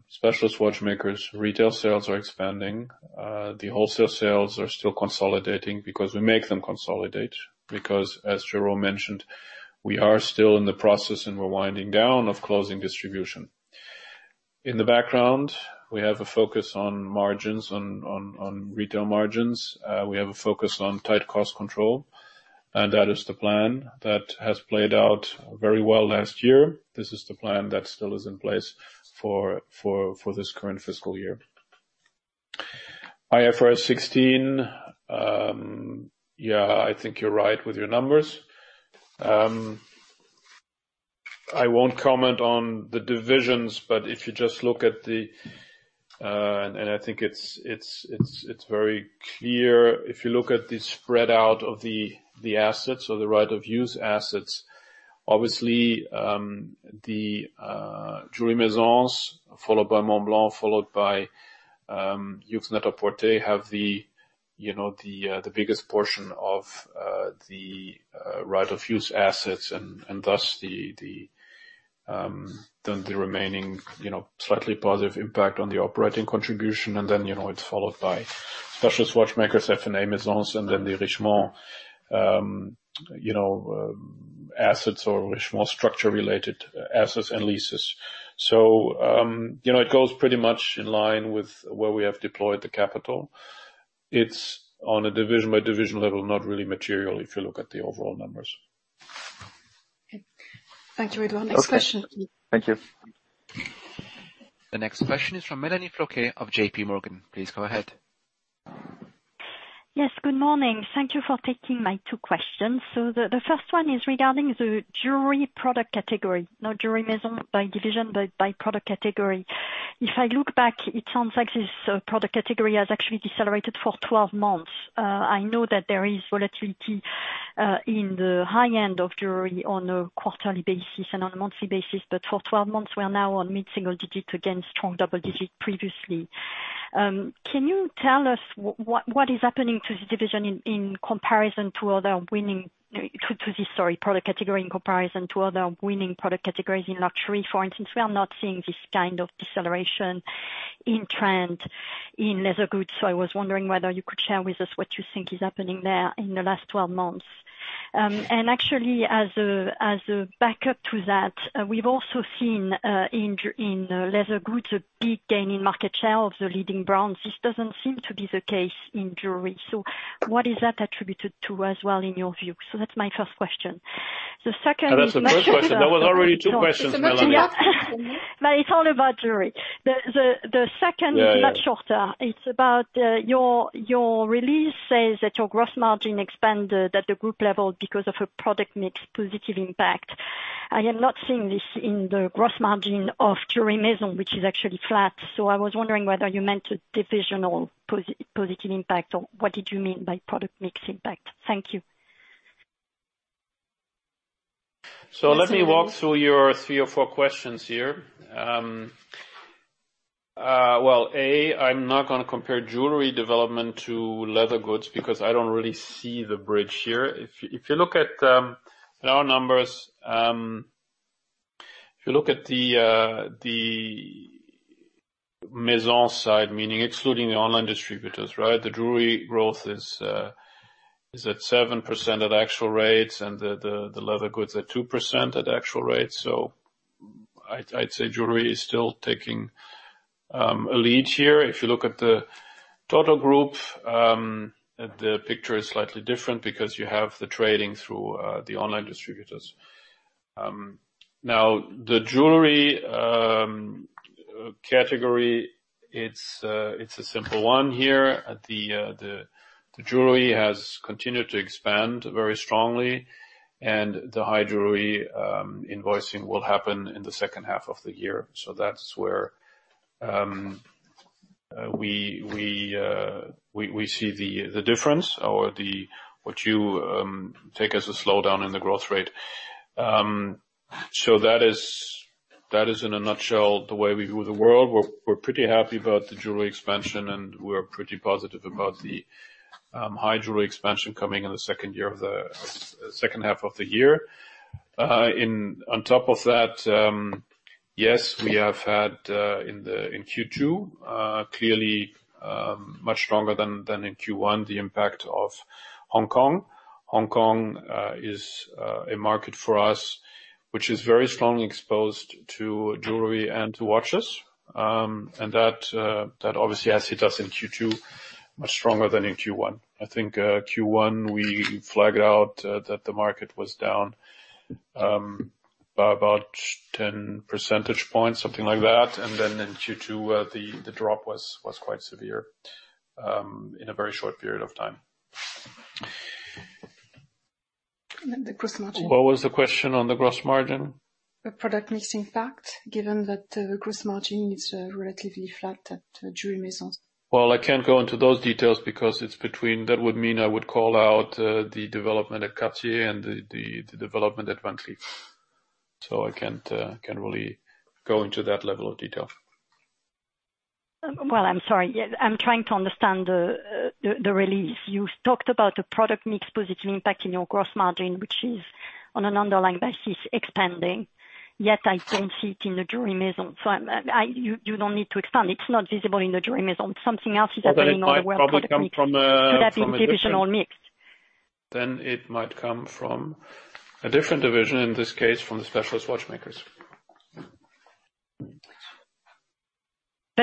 specialist watchmakers retail sales are expanding. The wholesale sales are still consolidating because we make them consolidate, because, as Jérôme mentioned, we are still in the process, and we're winding down, of closing distribution. In the background, we have a focus on margins, on retail margins. We have a focus on tight cost control. That is the plan. That has played out very well last year. This is the plan that still is in place for this current fiscal year. IFRS 16, yeah, I think you're right with your numbers. I won't comment on the divisions, but if you just look at the, and I think it's very clear if you look at the spread out of the assets or the right of use assets. Obviously, the Jewellery Maisons, followed by Montblanc, followed by Yoox Net-a-Porter have the biggest portion of the right of use assets, and thus the remaining slightly positive impact on the operating contribution. Then, it's followed by Specialist Watchmakers, LVMH Maisons, and then the Richemont assets or Richemont structure-related assets and leases. It goes pretty much in line with where we have deployed the capital. It's on a division by division level, not really material if you look at the overall numbers. Okay. Thank you, Edouard. Next question. Okay. Thank you. The next question is from Melanie Flouquet of JPMorgan. Please go ahead. Yes, good morning. Thank you for taking my two questions. The first one is regarding the jewelry product category. Not Jewelry Maison by division, but by product category. If I look back, it sounds like this product category has actually decelerated for 12 months. I know that there is volatility in the high end of jewelry on a quarterly basis and on a monthly basis, but for 12 months we are now on mid-single digit again, strong double digit previously. Can you tell us what is happening to this division in comparison to other winning product category in comparison to other winning product categories in luxury? For instance, we are not seeing this kind of deceleration in trend in leather goods. I was wondering whether you could share with us what you think is happening there in the last 12 months. Actually, as a backup to that, we've also seen in leather goods, a big gain in market share of the leading brands. This doesn't seem to be the case in jewelry. What is that attributed to as well, in your view? That's my first question. That's the first question. That was already two questions, Melanie. It's a multi-part question. It's all about jewelry. Yeah, yeah. Is much shorter. It's about your release says that your gross margin expanded at the group level because of a product mix positive impact. I am not seeing this in the gross margin of Jewellery Maisons, which is actually flat. I was wondering whether you meant a divisional positive impact, or what did you mean by product mix impact? Thank you. Let me walk through your three or four questions here. Well, A, I'm not going to compare jewelry development to leather goods because I don't really see the bridge here. If you look at our numbers, if you look at the Maison side, meaning excluding the online distributors, right? The jewelry growth is at 7% at actual rates and the leather goods at 2% at actual rates. I'd say jewelry is still taking a lead here. If you look at the total group, the picture is slightly different because you have the trading through the online distributors. The jewelry category, it's a simple one here. The jewelry has continued to expand very strongly, and the high jewelry invoicing will happen in the second half of the year. That's where we see the difference or what you take as a slowdown in the growth rate. That is in a nutshell, the way we view the world. We're pretty happy about the jewelry expansion, and we're pretty positive about the high jewelry expansion coming in the second half of the year. On top of that, yes, we have had in Q2, clearly, much stronger than in Q1, the impact of Hong Kong. Hong Kong is a market for us, which is very strongly exposed to jewelry and to watches. That obviously hit us in Q2 much stronger than in Q1. I think Q1, we flagged out that the market was down by about 10 percentage points, something like that. Then in Q2, the drop was quite severe in a very short period of time. The gross margin. What was the question on the gross margin? The product mix impact, given that the gross margin is relatively flat at Jewellery Maisons. Well, I can't go into those details because that would mean I would call out the development at Cartier and the development at Van Cleef. I can't really go into that level of detail. Well, I'm sorry. I'm trying to understand the release. You talked about the product mix positive impact in your gross margin, which is on an underlying basis expanding, yet I don't see it in the jewelry maison. You don't need to expand. It's not visible in the jewelry maison. Something else is happening. Well, it might probably come from a. Could have been divisional mix. It might come from a different division, in this case, from the Specialist Watchmakers.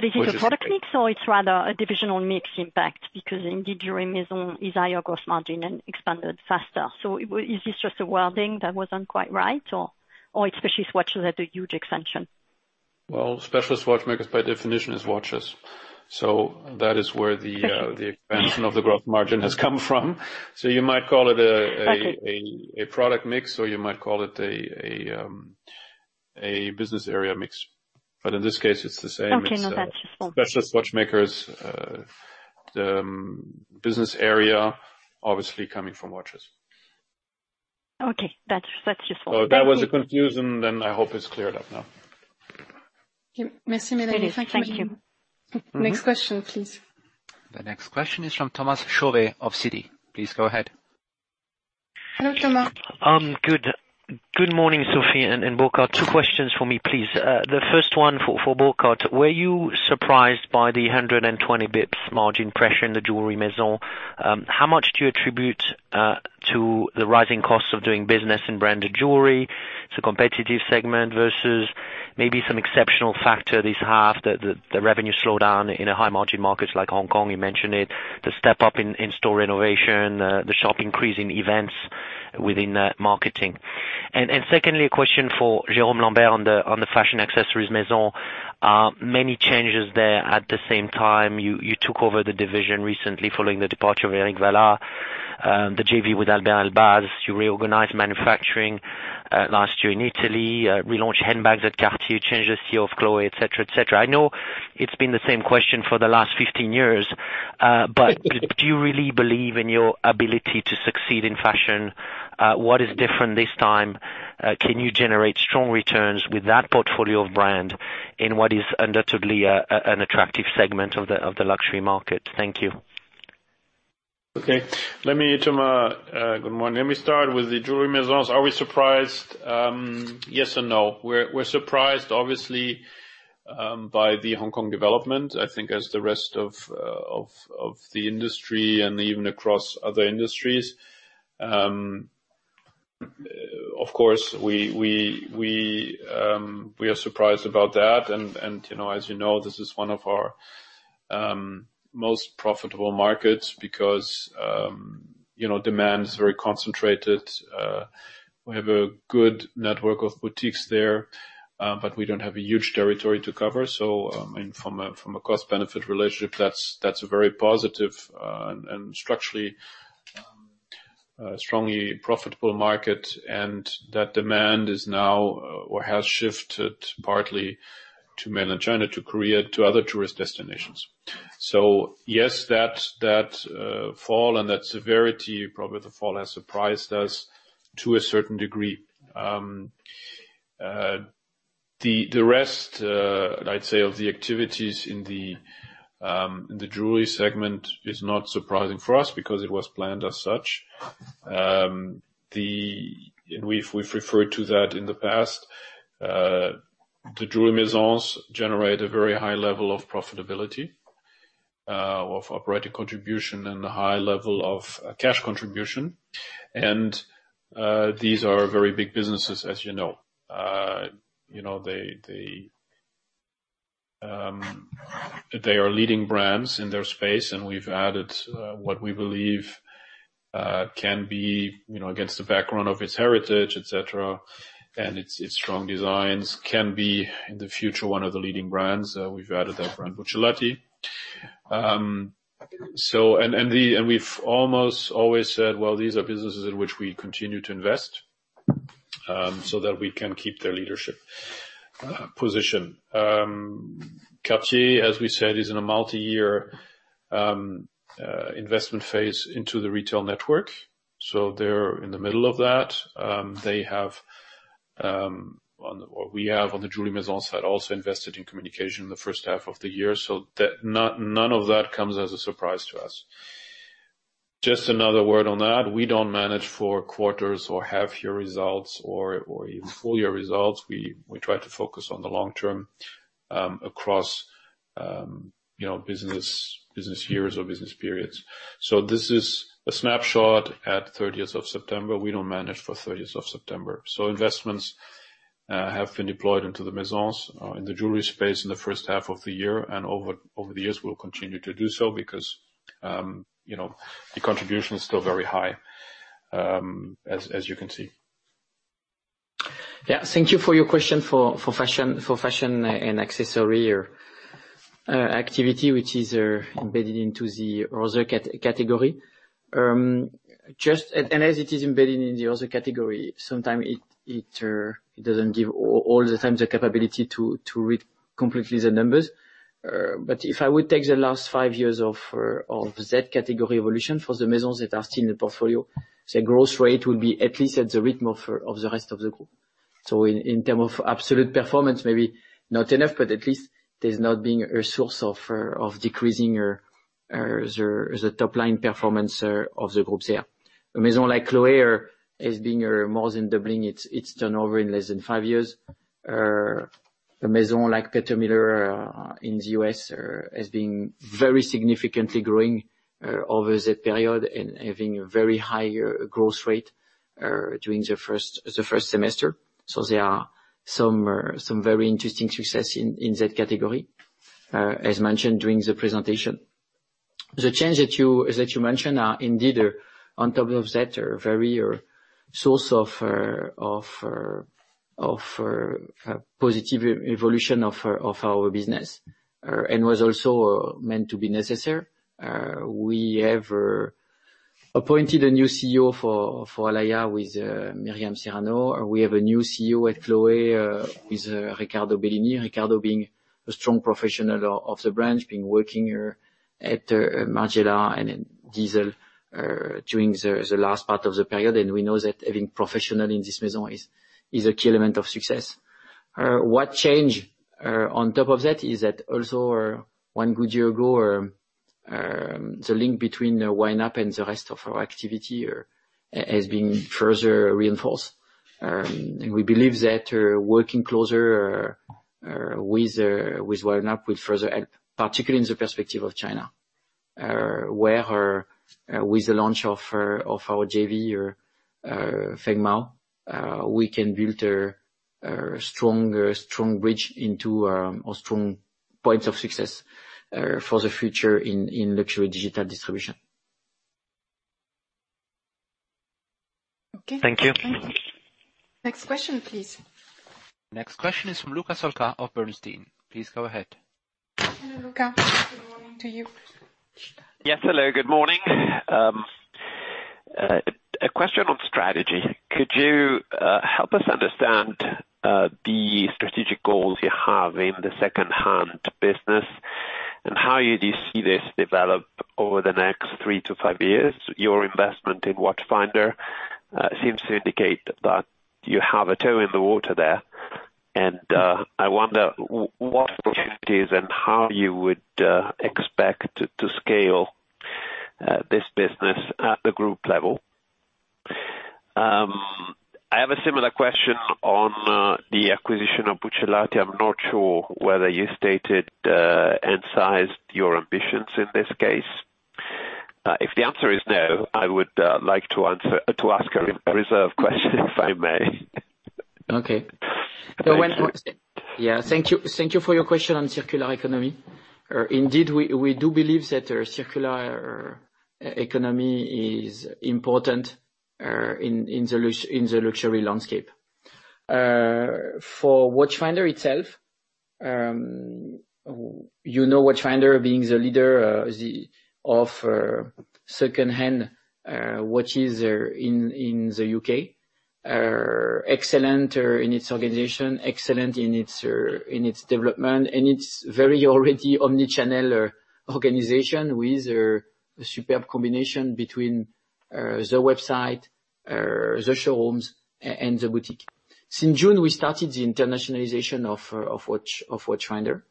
Is it a product mix or it's rather a divisional mix impact? Indeed, Jewellery Maison is higher gross margin and expanded faster. Is this just a wording that wasn't quite right or Specialist Watchmakers had a huge extension? Well, specialist watchmakers by definition is watches. That is where the expansion of the growth margin has come from. You might call it a product mix, or you might call it a business area mix. In this case, it's the same. Okay. No, that's useful. Specialist Watchmakers, the business area, obviously coming from watches. Okay. That's useful. If that was a confusion, I hope it's cleared up now. Merci, Melanie. Thank you. Thank you. Next question, please. The next question is from Thomas Chauvet of Citi. Please go ahead. Hello, Thomas. Good morning, Sophie and Burkhart. Two questions for me, please. The first one for Burkhart, were you surprised by the 120 basis points margin pressure in the jewelry Maison? How much do you attribute to the rising cost of doing business in branded jewelry? It's a competitive segment versus maybe some exceptional factor this half, the revenue slowdown in high-margin markets like Hong Kong, you mentioned it, the step-up in store renovation, the sharp increase in events within marketing. Secondly, a question for Jérôme Lambert on the fashion accessories Maison. Many changes there at the same time. You took over the division recently following the departure of Eric Vallat, the JV with Alber Elbaz. You reorganized manufacturing last year in Italy, relaunched handbags at Cartier, changed the CEO of Chloé, et cetera. I know it's been the same question for the last 15 years, but do you really believe in your ability to succeed in fashion? What is different this time? Can you generate strong returns with that portfolio of brand in what is undoubtedly an attractive segment of the luxury market? Thank you. Okay. Thomas, good morning. Let me start with the jewelry maisons. Are we surprised? Yes or no. We're surprised, obviously, by the Hong Kong development, I think as the rest of the industry and even across other industries. Of course, we are surprised about that. As you know, this is one of our most profitable markets because demand is very concentrated. We have a good network of boutiques there, but we don't have a huge territory to cover. From a cost-benefit relationship, that's a very positive and structurally, a strongly profitable market. That demand has shifted partly to mainland China, to Korea, to other tourist destinations. Yes, that fall and that severity, probably the fall has surprised us to a certain degree. The rest, I'd say, of the activities in the jewelry segment is not surprising for us because it was planned as such. We've referred to that in the past. The jewelry maisons generate a very high level of profitability of operating contribution and a high level of cash contribution. These are very big businesses, as you know. They are leading brands in their space, we've added what we believe can be, against the background of its heritage, et cetera, and its strong designs, can be, in the future, one of the leading brands. We've added that brand, Buccellati. We've almost always said, well, these are businesses in which we continue to invest, so that we can keep their leadership position. Cartier, as we said, is in a multi-year investment phase into the retail network. They're in the middle of that. We have on the jewelry maison side, also invested in communication in the first half of the year. None of that comes as a surprise to us. Just another word on that. We don't manage for quarters or half-year results or even full-year results. We try to focus on the long term, across business years or business periods. This is a snapshot at 30th of September. We don't manage for 30th of September. Investments have been deployed into the maisons in the jewelry space in the first half of the year, and over the years, we'll continue to do so because the contribution is still very high, as you can see. Yeah, thank you for your question for fashion and accessory activity, which is embedded into the other category. As it is embedded in the other category, sometimes it doesn't give all the time the capability to read completely the numbers. If I would take the last five years of that category evolution for the Maisons that are still in the portfolio, the growth rate will be at least at the rhythm of the rest of the group. In terms of absolute performance, maybe not enough, but at least there's not being a source of decreasing the top line performance of the groups here. A Maison like Chloé is being more than doubling its turnover in less than 5 years. A Maison like Peter Millar in the U.S. has been very significantly growing over the period and having a very high growth rate during the first semester. There are some very interesting success in that category, as mentioned during the presentation. The change that you mentioned are indeed on top of that are very source of positive evolution of our business, was also meant to be necessary. We have appointed a new CEO for Alaïa with Myriam Serrano. We have a new CEO at Chloé, with Riccardo Bellini. Riccardo being a strong professional of the brand, being working at Margiela and Diesel during the last part of the period. We know that having professional in this maison is a key element of success. What change on top of that is that also one good year ago, the link between YNAP and the rest of our activity has been further reinforced. We believe that working closer with YNAP will further help, particularly in the perspective of China, where with the launch of our JV, Feng Mao, we can build a strong bridge into a strong point of success for the future in luxury digital distribution. Okay. Thank you. Next question, please. Next question is from Luca Solca of Bernstein. Please go ahead. Hello, Luca. Good morning to you. Yes. Hello, good morning. A question on strategy. Could you help us understand the strategic goals you have in the second-hand business, and how you see this develop over the next three to five years? Your investment in Watchfinder seems to indicate that you have a toe in the water there. I wonder what opportunities and how you would expect to scale this business at the group level. I have a similar question on the acquisition of Buccellati. I'm not sure whether you stated and sized your ambitions in this case. If the answer is no, I would like to ask a reserve question, if I may. Okay. Thank you for your question on circular economy. Indeed, we do believe that circular economy is important in the luxury landscape. For Watchfinder itself, you know Watchfinder being the leader of secondhand watches in the U.K., are excellent in its organization, excellent in its development, and it's very already omni-channel organization with a superb combination between the website, the showrooms, and the boutique. Since June, we started the internationalization of Watchfinder.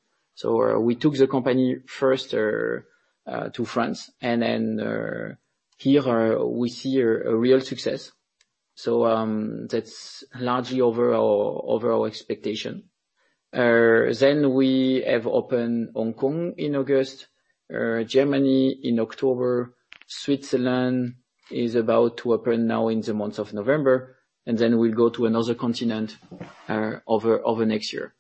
We took the company first to France. Here we see a real success. That's largely over our expectation. We have opened Hong Kong in August, Germany in October. Switzerland is about to open now in the month of November. We'll go to another continent over next year.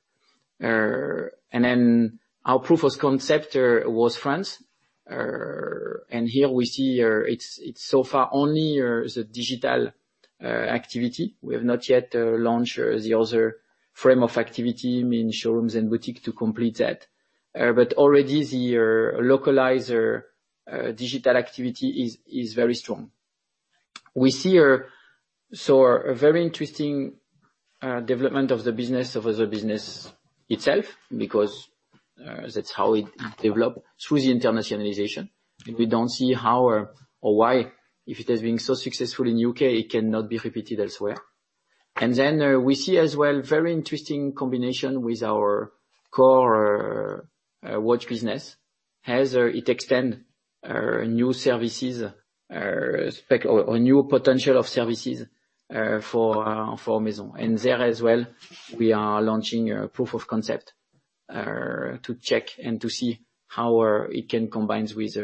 Our proof of concept was France. Here we see it's so far only the digital activity. We have not yet launched the other frame of activity, meaning showrooms and boutique to complete that. Already the localizer digital activity is very strong. We see a very interesting development of the business itself, because that's how it developed through the internationalization. We don't see how or why, if it has been so successful in U.K., it cannot be repeated elsewhere. We see as well, very interesting combination with our core watch business as it extend new services, or new potential of services for Maison. There as well, we are launching a proof of concept to check and to see how it can combine with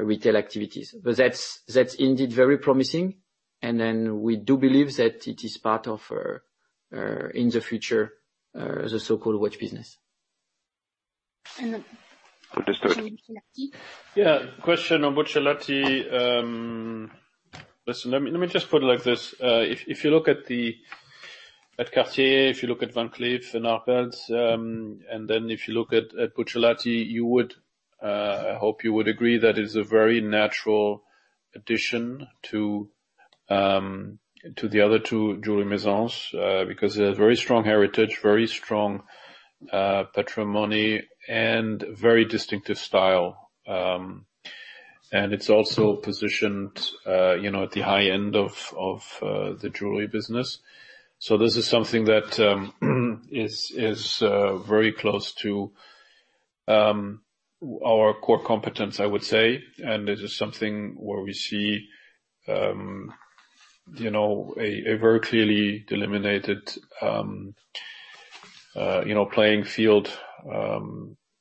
retail activities. That's indeed very promising, we do believe that it is part of, in the future, the so-called watch business. Understood. Buccellati? Yeah. Question on Buccellati. Listen, let me just put it like this. If you look at Cartier, if you look at Van Cleef & Arpels, and then if you look at Buccellati, I hope you would agree that it's a very natural addition to the other two jewelry Maisons, because they have very strong heritage, very strong patrimony, and very distinctive style. It's also positioned at the high end of the jewelry business. This is something that is very close to our core competence, I would say. This is something where we see a very clearly delineated playing field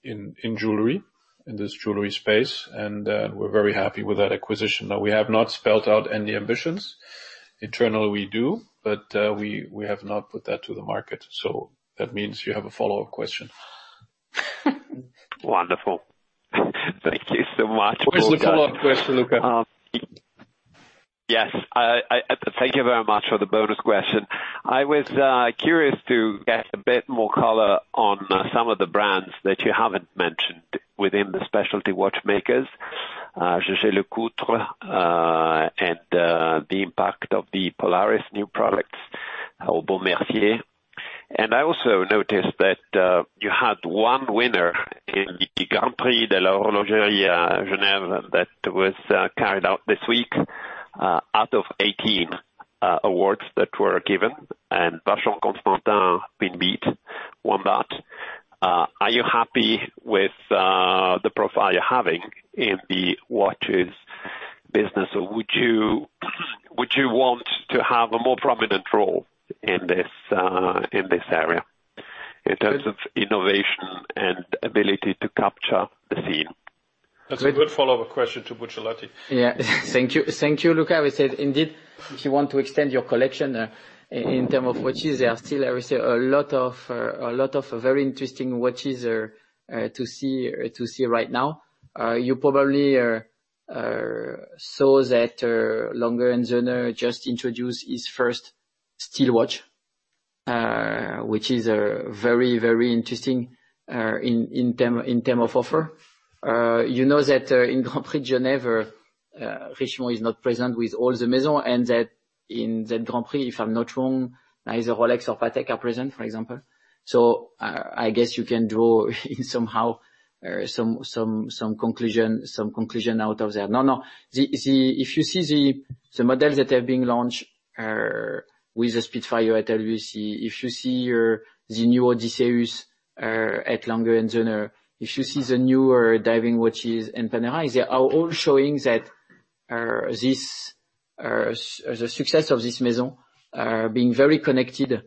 in jewelry, in this jewelry space. We're very happy with that acquisition. Now, we have not spelled out any ambitions. Internally we do, but we have not put that to the market. That means you have a follow-up question. Wonderful. Thank you so much. Where's the follow-up question, Luca? Yes. Thank you very much for the bonus question. I was curious to get a bit more color on some of the brands that you haven't mentioned within the Specialty Watchmakers, Jaeger-LeCoultre, and the impact of the Polaris new products or Baume & Mercier. I also noticed that you had one winner in the Grand Prix d'Horlogerie de Genève that was carried out this week, out of 18 awards that were given, and Vacheron Constantin won that. Are you happy with the profile you're having in the watches business, or would you want to have a more prominent role in this area, in terms of innovation and ability to capture the scene? That's a good follow-up question to Buccellati. Yeah. Thank you, Luca. I would say, indeed, if you want to extend your collection in term of watches, there are still, I would say, a lot of very interesting watches to see right now. You probably saw that A. Lange & Söhne just introduced its first steel watch, which is very interesting in term of offer. You know that in Grand Prix Geneve, Richemont is not present with all the Maison, and that in that Grand Prix, if I'm not wrong, neither Rolex or Patek are present, for example. I guess you can draw somehow some conclusion out of there. No. If you see the models that have been launched with the Spitfire at IWC, if you see the new Odysseus at A. Lange & Söhne, if you see the newer diving watches in Panerai, they are all showing that the success of this Maison are being very connected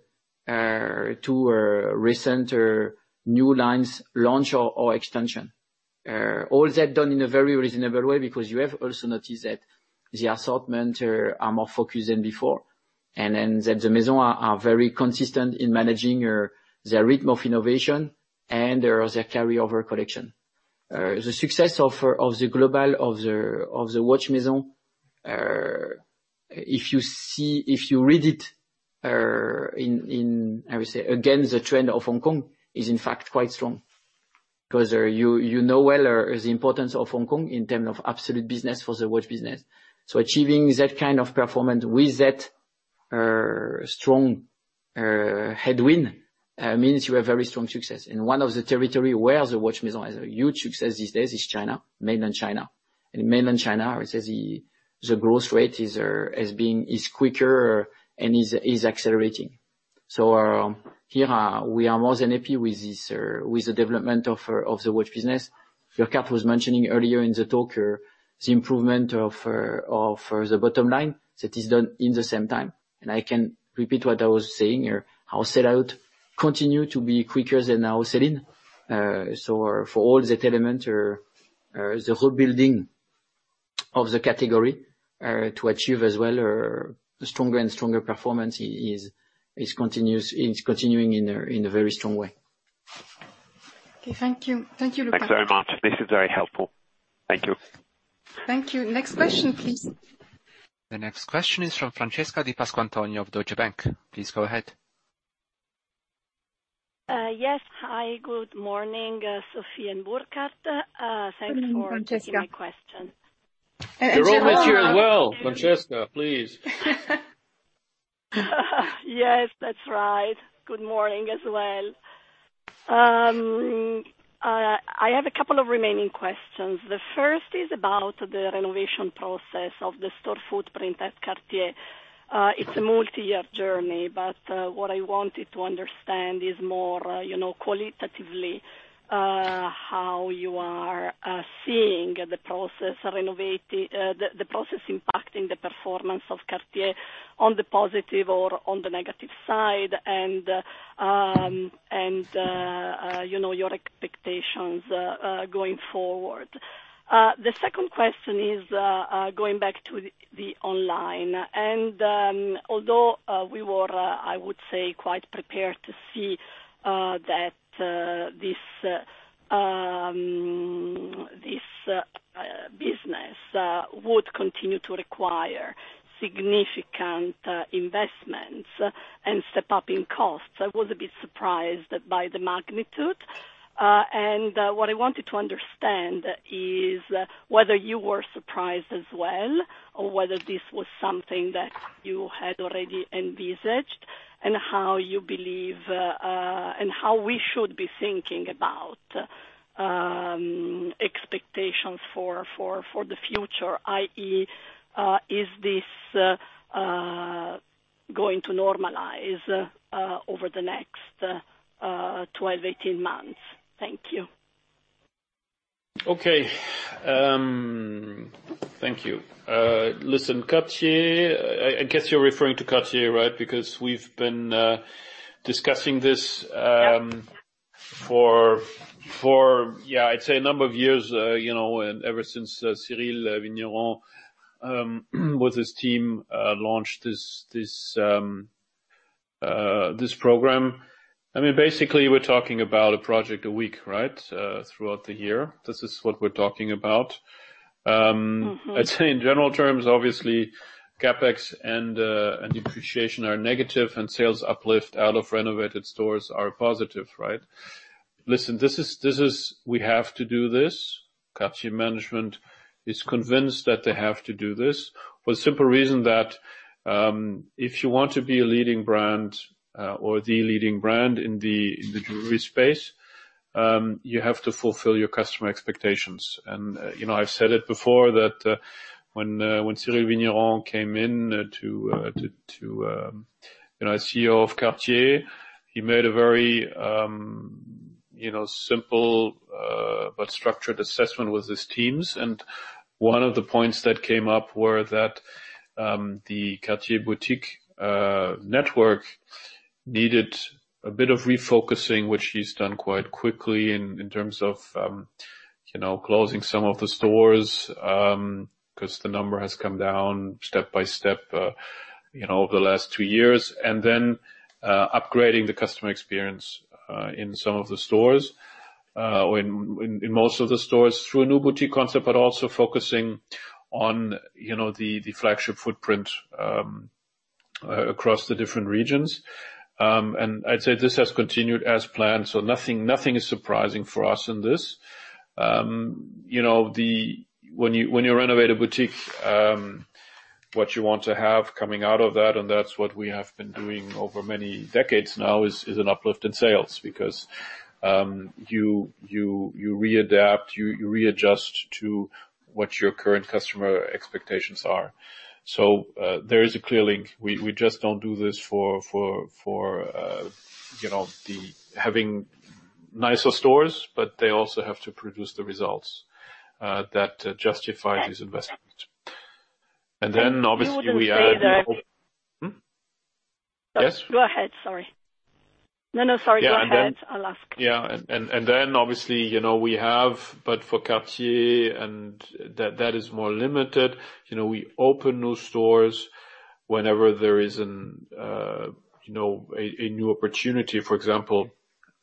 to recent new lines launch or extension. All that done in a very reasonable way because you have also noticed that the assortment are more focused than before, that the Maison are very consistent in managing their rhythm of innovation and their carryover collection. The success of the global of the watch Maison, if you read it in, I would say, again, the trend of Hong Kong, is in fact quite strong. You know well the importance of Hong Kong in terms of absolute business for the watch business. Achieving that kind of performance with that strong headwind, means you have very strong success. One of the territory where the watch Maison has a huge success these days is China, mainland China. In mainland China, I would say the growth rate is quicker and is accelerating. Here we are more than happy with the development of the watch business. Burkhart was mentioning earlier in the talk, the improvement of the bottom line that is done in the same time, and I can repeat what I was saying, our sellout continue to be quicker than our sell-in. For all that element, the whole building of the category, to achieve as well, a stronger and stronger performance is continuing in a very strong way. Okay. Thank you. Thank you, Luca. Thanks very much. This is very helpful. Thank you. Thank you. Next question, please. The next question is from Francesca Di Pasquantonio of Deutsche Bank. Please go ahead. Yes. Hi, good morning, Sophie and Burkhart. Good morning, Francesca. Thanks for taking my question. We're all with you as well, Francesca, please. Yes, that's right. Good morning as well. I have a couple of remaining questions. The first is about the renovation process of the store footprint at Cartier. It's a multi-year journey, but what I wanted to understand is more qualitatively, how you are seeing the process impacting the performance of Cartier on the positive or on the negative side, and your expectations going forward. The second question is going back to the online. Although we were, I would say, quite prepared to see that this business would continue to require significant investments and step up in costs, I was a bit surprised by the magnitude. What I wanted to understand is whether you were surprised as well, or whether this was something that you had already envisaged, and how we should be thinking about expectations for the future, i.e., is this going to normalize over the next 12, 18 months? Thank you. Okay. Thank you. Listen, Cartier, I guess you're referring to Cartier, right? We've been discussing this. Yeah for, I'd say a number of years, ever since Cyrille Vigneron, with his team, launched this program. Basically, we're talking about a project a week throughout the year. This is what we're talking about. I'd say in general terms, obviously, CapEx and depreciation are negative, and sales uplift out of renovated stores are positive, right? Listen, we have to do this. Cartier management is convinced that they have to do this for the simple reason that if you want to be a leading brand or the leading brand in the jewelry space, you have to fulfill your customer expectations. I've said it before that when Cyrille Vigneron came in as CEO of Cartier, he made a very simple but structured assessment with his teams. One of the points that came up was that the Cartier boutique network needed a bit of refocusing, which he's done quite quickly in terms of closing some of the stores, because the number has come down step by step over the last two years. Upgrading the customer experience in some of the stores, in most of the stores through a new boutique concept, but also focusing on the flagship footprint across the different regions. I'd say this has continued as planned, so nothing is surprising for us in this. When you renovate a boutique, what you want to have coming out of that's what we have been doing over many decades now, is an uplift in sales because you readapt, you readjust to what your current customer expectations are. There is a clear link. We just don't do this for having nicer stores, but they also have to produce the results that justify this investment. Obviously we added. You wouldn't say that. Hmm? Yes. Go ahead, sorry. No, sorry, go ahead. I'll ask. Yeah. Obviously, but for Cartier, that is more limited. We open new stores whenever there is a new opportunity. For example,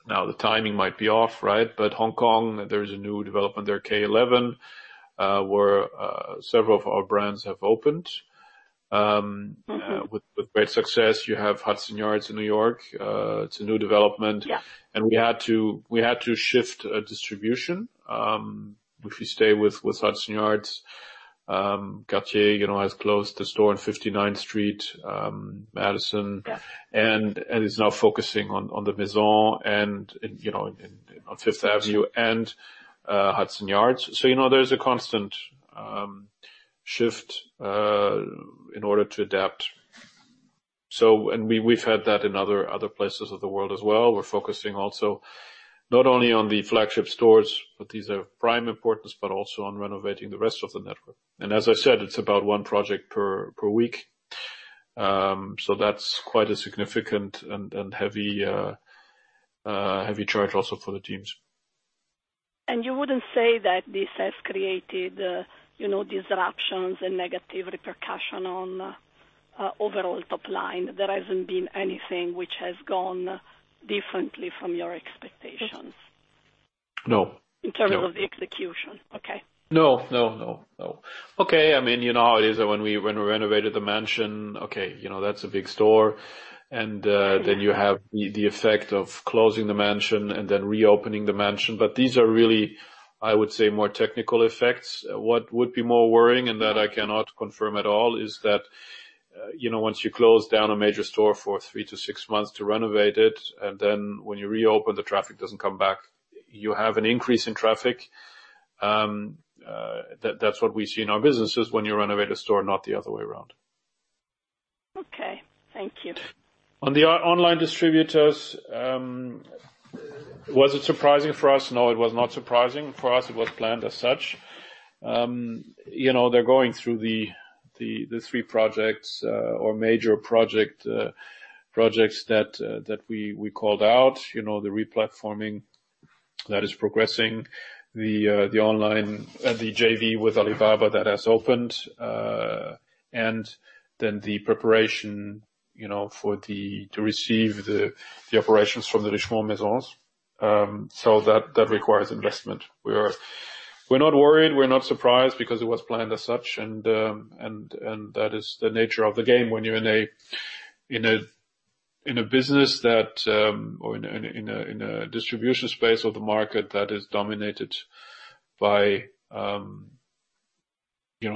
now the timing might be off, but Hong Kong, there is a new development there, K11, where several of our brands have opened with great success. You have Hudson Yards in New York. It's a new development. Yeah. We had to shift distribution, if you stay with Hudson Yards. Cartier has closed the store on 59th Street, Madison. Yeah. Is now focusing on the Maison on Fifth Avenue and Hudson Yards. There's a constant shift in order to adapt. We've had that in other places of the world as well. We're focusing also not only on the flagship stores, but these are of prime importance, but also on renovating the rest of the network. As I said, it's about one project per week. That's quite a significant and heavy charge also for the teams. You wouldn't say that this has created disruptions and negative repercussions on overall top line? There hasn't been anything which has gone differently from your expectations? No. In terms of the execution. Okay. No. Okay. You know how it is when we renovated the Maison, okay, that's a big store, and then you have the effect of closing the Maison and then reopening the Maison. These are really, I would say, more technical effects. What would be more worrying, and that I cannot confirm at all, is that once you close down a major store for three to six months to renovate it, and then when you reopen, the traffic doesn't come back. You have an increase in traffic. That's what we see in our businesses when you renovate a store, not the other way around. Okay. Thank you. On the online distributors, was it surprising for us? No, it was not surprising for us. It was planned as such. They're going through the three projects, or major projects that we called out. The re-platforming that is progressing, the online, the JV with Alibaba that has opened, and then the preparation to receive the operations from the Richemont Maisons. That requires investment. We're not worried, we're not surprised because it was planned as such, and that is the nature of the game when you're in a business that, or in a distribution space of the market that is dominated by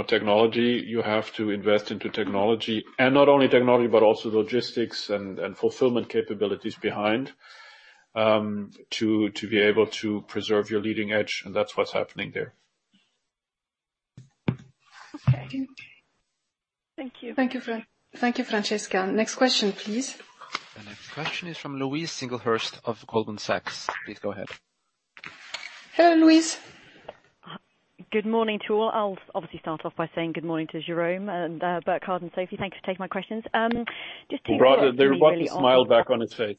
technology. You have to invest into technology. Not only technology, but also logistics and fulfillment capabilities behind, to be able to preserve your leading edge, and that's what's happening there. Okay. Thank you. Thank you, Francesca. Next question, please. The next question is from Louise Singlehurst of Goldman Sachs. Please go ahead. Hello, Louise. Good morning to all. I'll obviously start off by saying good morning to Jérôme and Burkhart and Sophie. Thanks for taking my questions. Brought the smile back on his face.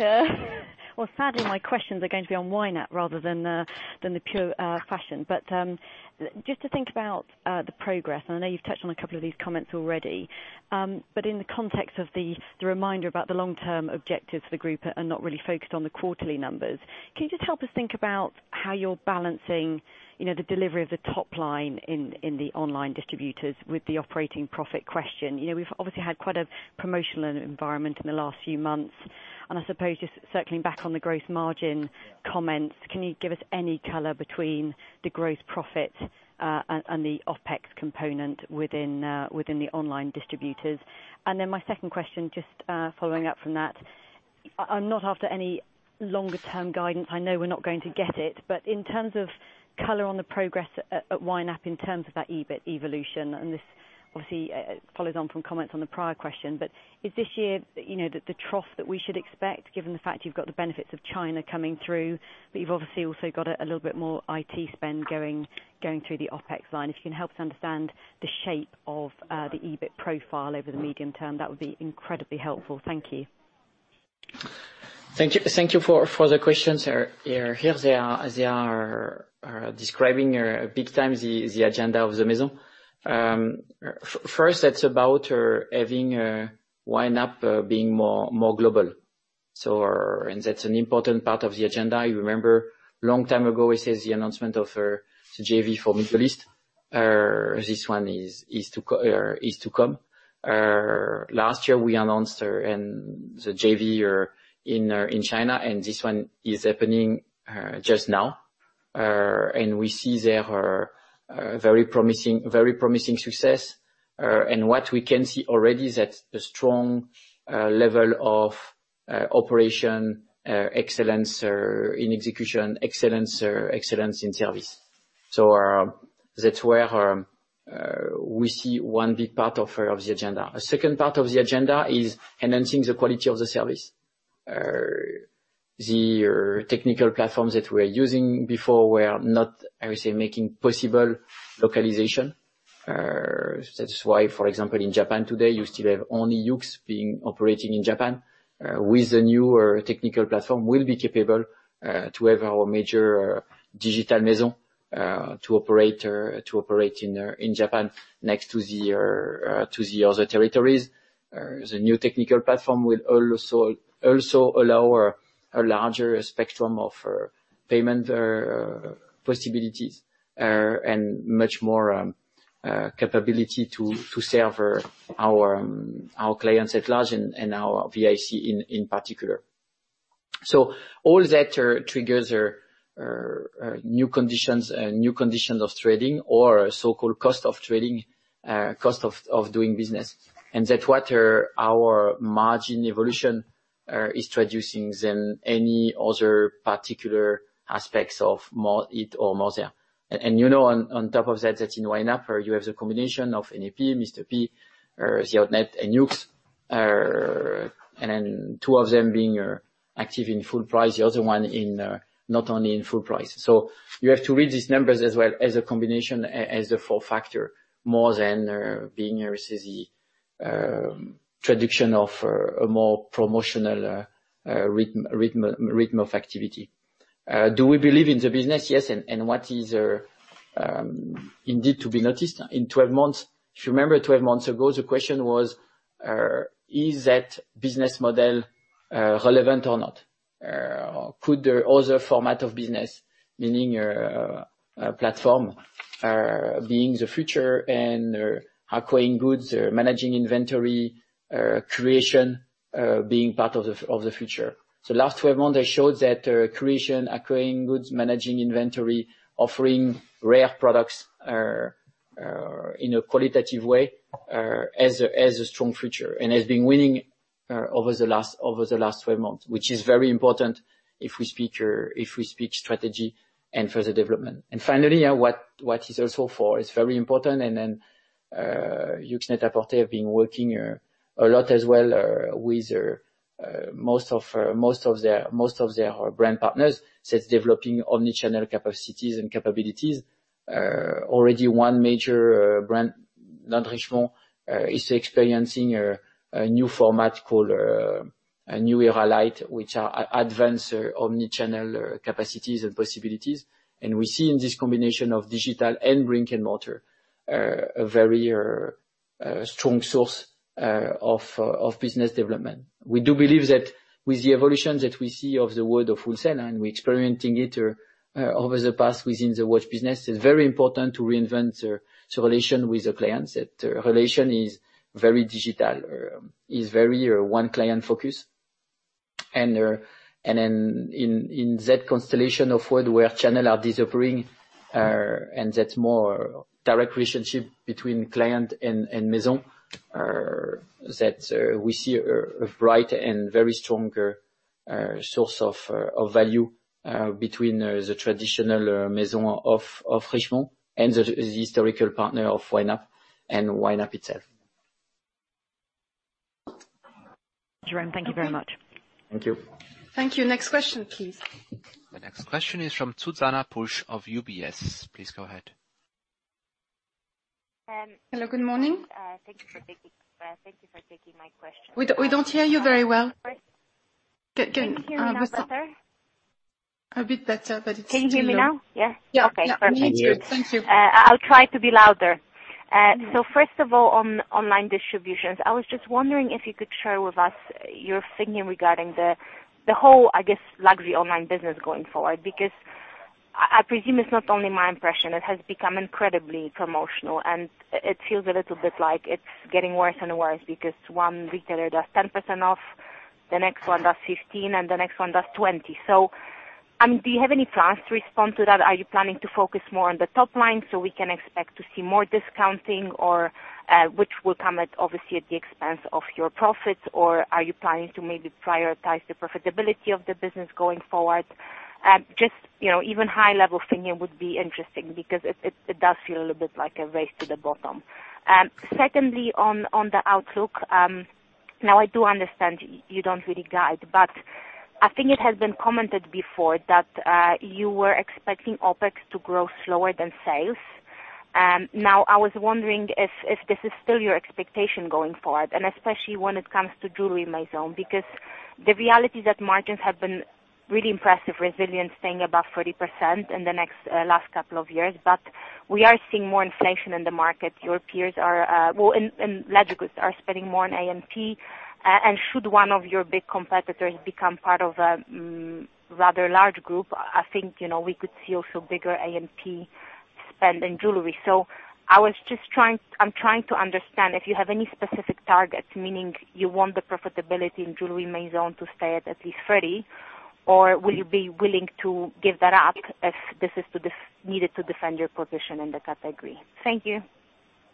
Well, sadly, my questions are going to be on YNAP rather than the pure fashion. Just to think about the progress, and I know you've touched on a couple of these comments already. In the context of the reminder about the long-term objectives for the group and not really focused on the quarterly numbers, can you just help us think about how you're balancing the delivery of the top line in the online distributors with the operating profit question? We've obviously had quite a promotional environment in the last few months, and I suppose just circling back on the gross margin comments, can you give us any color between the gross profit, and the OpEx component within the online distributors? My second question, just following up from that. I'm not after any longer term guidance. I know we're not going to get it. In terms of color on the progress at YNAP in terms of that EBIT evolution. This obviously follows on from comments on the prior question. Is this year the trough that we should expect, given the fact you've got the benefits of China coming through, but you've obviously also got a little bit more IT spend going through the OpEx line? If you can help us understand the shape of the EBIT profile over the medium term, that would be incredibly helpful. Thank you. Thank you for the questions. Here they are describing big time the agenda of the Maison. First, that's about having YNAP being more global. That's an important part of the agenda. You remember, long time ago, we said the announcement of the JV for Middle East. This one is to come. Last year we announced the JV in China and this one is happening just now. We see there a very promising success. What we can see already is that the strong level of operation excellence in execution, excellence in service. That's where we see one big part of the agenda. A second part of the agenda is enhancing the quality of the service. The technical platforms that we were using before were not, I would say, making possible localization. That's why, for example, in Japan today, you still have only YOOX being operating in Japan. With the new technical platform, we'll be capable to have our major digital Maison to operate in Japan next to the other territories. The new technical platform will also allow a larger spectrum of payment possibilities, and much more capability to serve our clients at large and our VIC in particular. All that triggers new conditions of trading or so-called cost of trading, cost of doing business. That's what our margin evolution is introducing them any other particular aspects of it or more there. On top of that in YNAP, you have the combination of NAP, Mr. P, The Outnet and YOOX, and then two of them being active in full price, the other one not only in full price. You have to read these numbers as well as a combination, as a four-factor, more than being a traditional of a more promotional rhythm of activity. Do we believe in the business? Yes. What is indeed to be noticed in 12 months? If you remember 12 months ago, the question was, is that business model relevant or not? Could there other format of business, meaning a platform, being the future and acquiring goods, managing inventory, creation being part of the future? Last 12 months, they showed that creation, acquiring goods, managing inventory, offering rare products are in a qualitative way, as a strong future. Has been winning over the last 12 months, which is very important if we speak strategy and further development. Finally, what is also for is very important, and then YOOX Net-a-Porter have been working a lot as well with most of their brand partners since developing omni-channel capacities and capabilities. Already one major brand, not Richemont, is experiencing a new format called a New Era Light, which are advanced omni-channel capacities and possibilities. We see in this combination of digital and brick-and-mortar, a very strong source of business development. We do believe that with the evolution that we see of the world of wholesale, and we're experiencing it over the past within the watch business, it's very important to reinvent the relation with the clients. That relation is very digital, is very one client-focused. In that constellation of world where channel are disappearing, and that more direct relationship between client and maison, that we see a bright and very stronger source of value between the traditional maison of Richemont and the historical partner of YNAP and YNAP itself. Jérôme, thank you very much. Thank you. Thank you. Next question, please. The next question is from Zuzanna Pusz of UBS. Please go ahead. Hello, good morning. Thank you for taking my question. We don't hear you very well. Can you hear me now better? A bit better, but it's still low. Can you hear me now? Yes. Yeah. Okay, perfect. Thank you. I'll try to be louder. First of all, on online distributions, I was just wondering if you could share with us your thinking regarding the whole, I guess, luxury online business going forward. I presume it's not only my impression, it has become incredibly promotional, and it feels a little bit like it's getting worse and worse because one retailer does 10% off, the next one does 15%, and the next one does 20%. Do you have any plans to respond to that? Are you planning to focus more on the top line so we can expect to see more discounting, or which will come obviously at the expense of your profits? Are you planning to maybe prioritize the profitability of the business going forward? Just even high-level thinking would be interesting because it does feel a little bit like a race to the bottom. Secondly, on the outlook. I do understand you don't really guide, but I think it has been commented before that you were expecting OpEx to grow slower than sales. I was wondering if this is still your expectation going forward, and especially when it comes to jewelry maison. The reality is that margins have been really impressive, resilience staying above 40% in the last couple of years. We are seeing more inflation in the market. Your peers in luxury goods are spending more on A&P. Should one of your big competitors become part of a rather large group, I think we could see also bigger A&P spend in jewelry. I'm trying to understand if you have any specific targets, meaning you want the profitability in jewelry maison to stay at at least 30%, or will you be willing to give that up if this is needed to defend your position in the category? Thank you.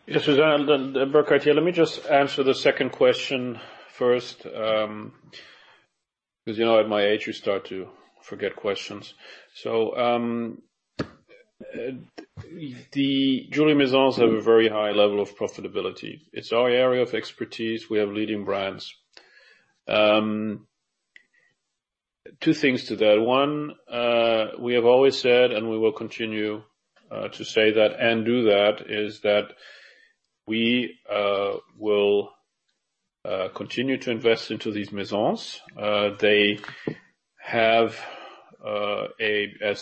Yeah, Zuzanna, Burkhart here. Let me just answer the second question first, because at my age, you start to forget questions. The jewelry maisons have a very high level of profitability. It's our area of expertise. We have leading brands. Two things to that. One, we have always said, and we will continue to say that and do that, is that we will continue to invest into these maisons. As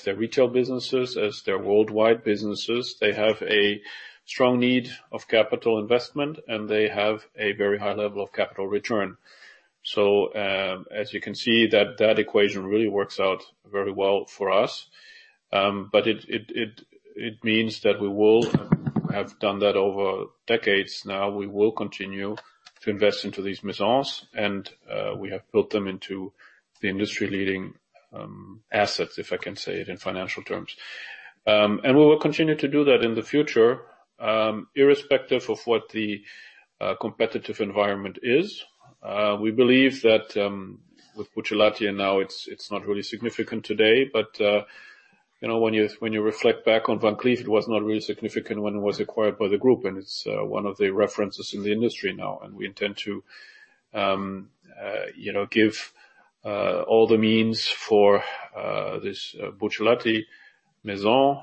they're retail businesses, as they're worldwide businesses, they have a strong need of capital investment, and they have a very high level of capital return. As you can see, that equation really works out very well for us. It means that we will have done that over decades now. We will continue to invest into these maisons, and we have built them into the industry-leading assets, if I can say it in financial terms. We will continue to do that in the future, irrespective of what the competitive environment is. We believe that with Buccellati now, it's not really significant today, but when you reflect back on Van Cleef, it was not really significant when it was acquired by the group, and it's one of the references in the industry now, and we intend to give all the means for this Buccellati Maison,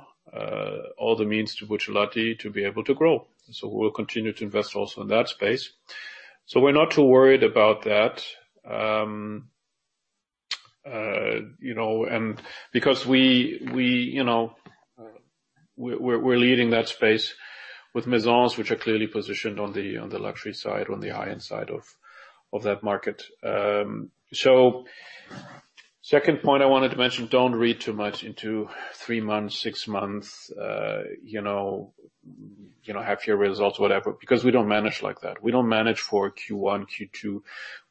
all the means to Buccellati to be able to grow. We'll continue to invest also in that space. We're not too worried about that because we're leading that space with Maisons which are clearly positioned on the luxury side, on the high-end side of that market. Second point I wanted to mention, don't read too much into three months, six months, half-year results, whatever, because we don't manage like that. We don't manage for Q1, Q2.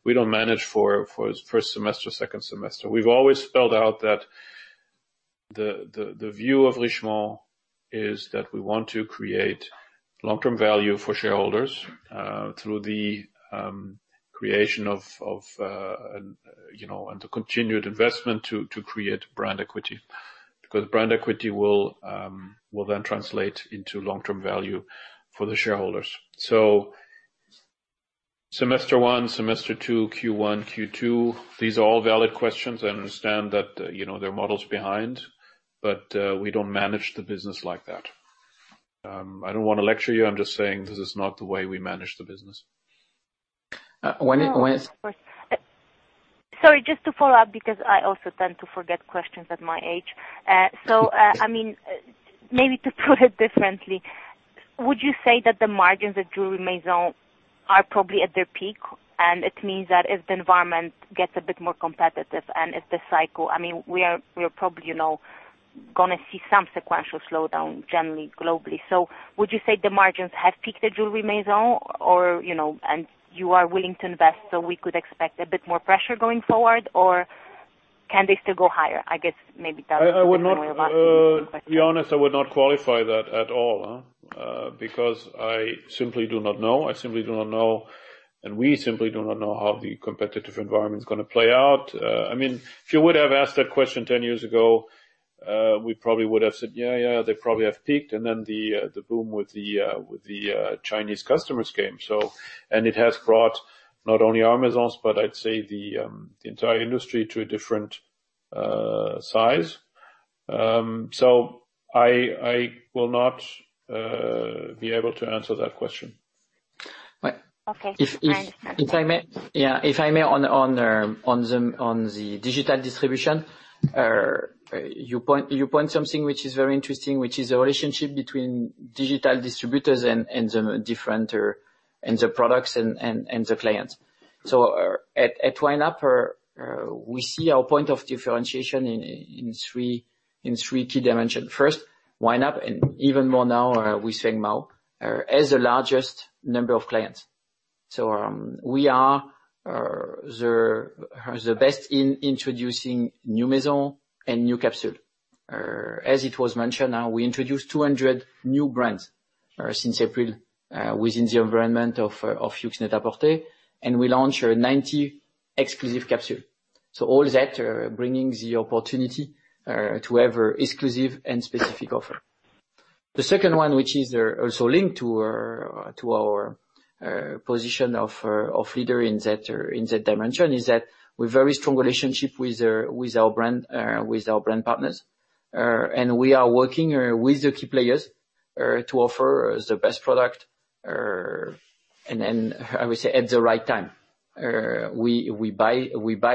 We don't manage for first semester, second semester. We've always spelled out that the view of Richemont is that we want to create long-term value for shareholders through the creation of and the continued investment to create brand equity, because brand equity will then translate into long-term value for the shareholders. Semester one, semester two, Q1, Q2, these are all valid questions. I understand that there are models behind, we don't manage the business like that. I don't want to lecture you, I'm just saying this is not the way we manage the business. When it Sorry, just to follow up, because I also tend to forget questions at my age. Maybe to put it differently, would you say that the margins at Jewellery Maisons are probably at their peak, and it means that if the environment gets a bit more competitive and if the cycle, we are probably going to see some sequential slowdown generally globally. Would you say the margins have peaked at Jewellery Maisons or, and you are willing to invest, so we could expect a bit more pressure going forward, or can they still go higher? I guess maybe that is a better way of asking the question. To be honest, I would not qualify that at all, because I simply do not know. I simply do not know, and we simply do not know how the competitive environment is going to play out. If you would have asked that question 10 years ago, we probably would have said, "Yeah, they probably have peaked." The boom with the Chinese customers came. It has brought not only our Maisons, but I'd say the entire industry to a different size. I will not be able to answer that question. Okay, fine. If I may on the digital distribution, you point something which is very interesting, which is the relationship between digital distributors and the products and the clients. At YNAP, we see our point of differentiation in three key dimensions. First, YNAP, and even more now with Feng Mao, has the largest number of clients. We are the best in introducing new Maison and new capsule. As it was mentioned now, we introduced 200 new brands since April within the environment of YOOX NET-A-PORTER, and we launched a 90 exclusive capsule. All that bringing the opportunity to have exclusive and specific offer. The second one, which is also linked to our position of leader in that dimension is that with very strong relationship with our brand partners, and we are working with the key players to offer the best product, and then I would say at the right time. We buy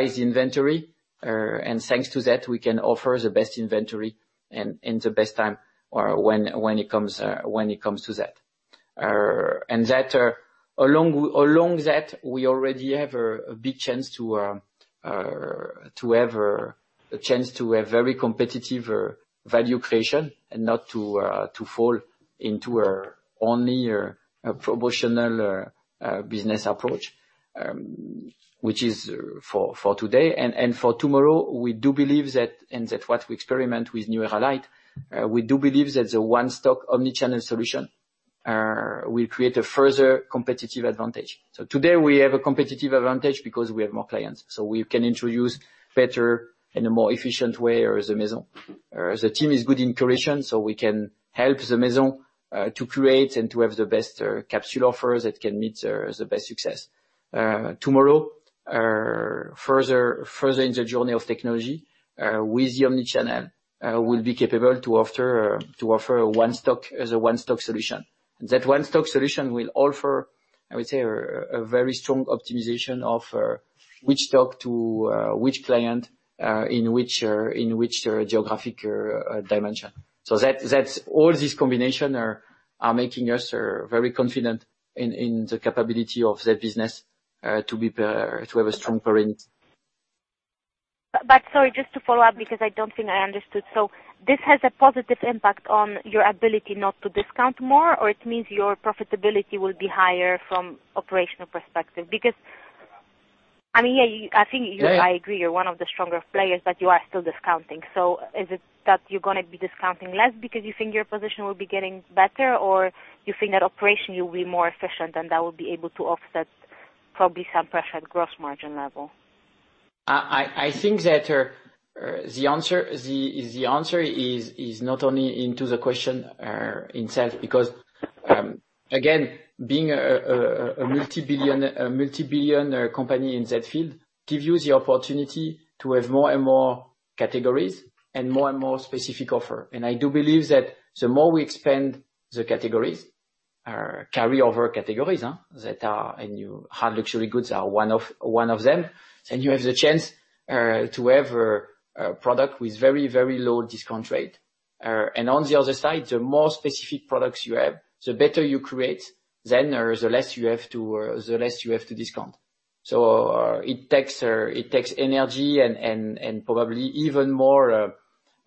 the inventory, and thanks to that, we can offer the best inventory and the best time when it comes to that. Along that, we already have a big chance to have very competitive value creation and not to fall into only a promotional business approach, which is for today and for tomorrow, we do believe that, and that what we experiment with New Era Light, we do believe that the one-stock omni-channel solution will create a further competitive advantage. Today we have a competitive advantage because we have more clients, so we can introduce better and a more efficient way as a Maison. The team is good in correlation, so we can help the Maison to create and to have the best capsule offers that can meet the best success. Tomorrow, further in the journey of technology, with the omni-channel, we'll be capable to offer the one-stock solution. That one-stock solution will offer, I would say, a very strong optimization of which stock to which client, in which geographic dimension. All these combination are making us very confident in the capability of that business to have a strong current. Sorry, just to follow up, because I don't think I understood. This has a positive impact on your ability not to discount more, or it means your profitability will be higher from operational perspective. I think I agree you're one of the stronger players, but you are still discounting. Is it that you're going to be discounting less because you think your position will be getting better, or you think that operationally you'll be more efficient, and that will be able to offset probably some pressure at gross margin level? I think that the answer is not only into the question itself, because, again, being a multi-billion company in that field gives you the opportunity to have more and more categories and more and more specific offer. I do believe that the more we expand the categories, carry over categories that are a new hard luxury goods are one of them. You have the chance to have a product with very, very low discount rate. On the other side, the more specific products you have, the better you create then, or the less you have to discount. It takes energy and probably even more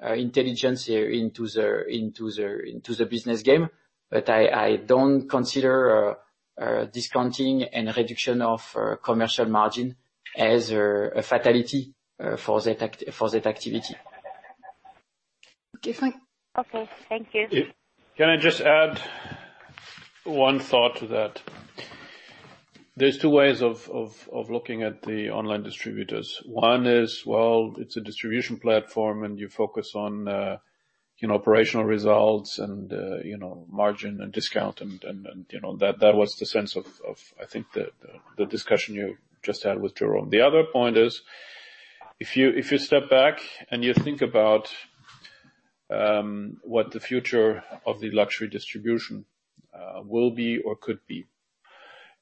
intelligence into the business game. I don't consider discounting and reduction of commercial margin as a fatality for that activity. Okay, thank you. Can I just add one thought to that? There's two ways of looking at the online distributors. One is, well, it's a distribution platform, and you focus on operational results and margin and discount, and that was the sense of, I think, the discussion you just had with Jérôme. The other point is, if you step back and you think about what the future of the luxury distribution will be or could be.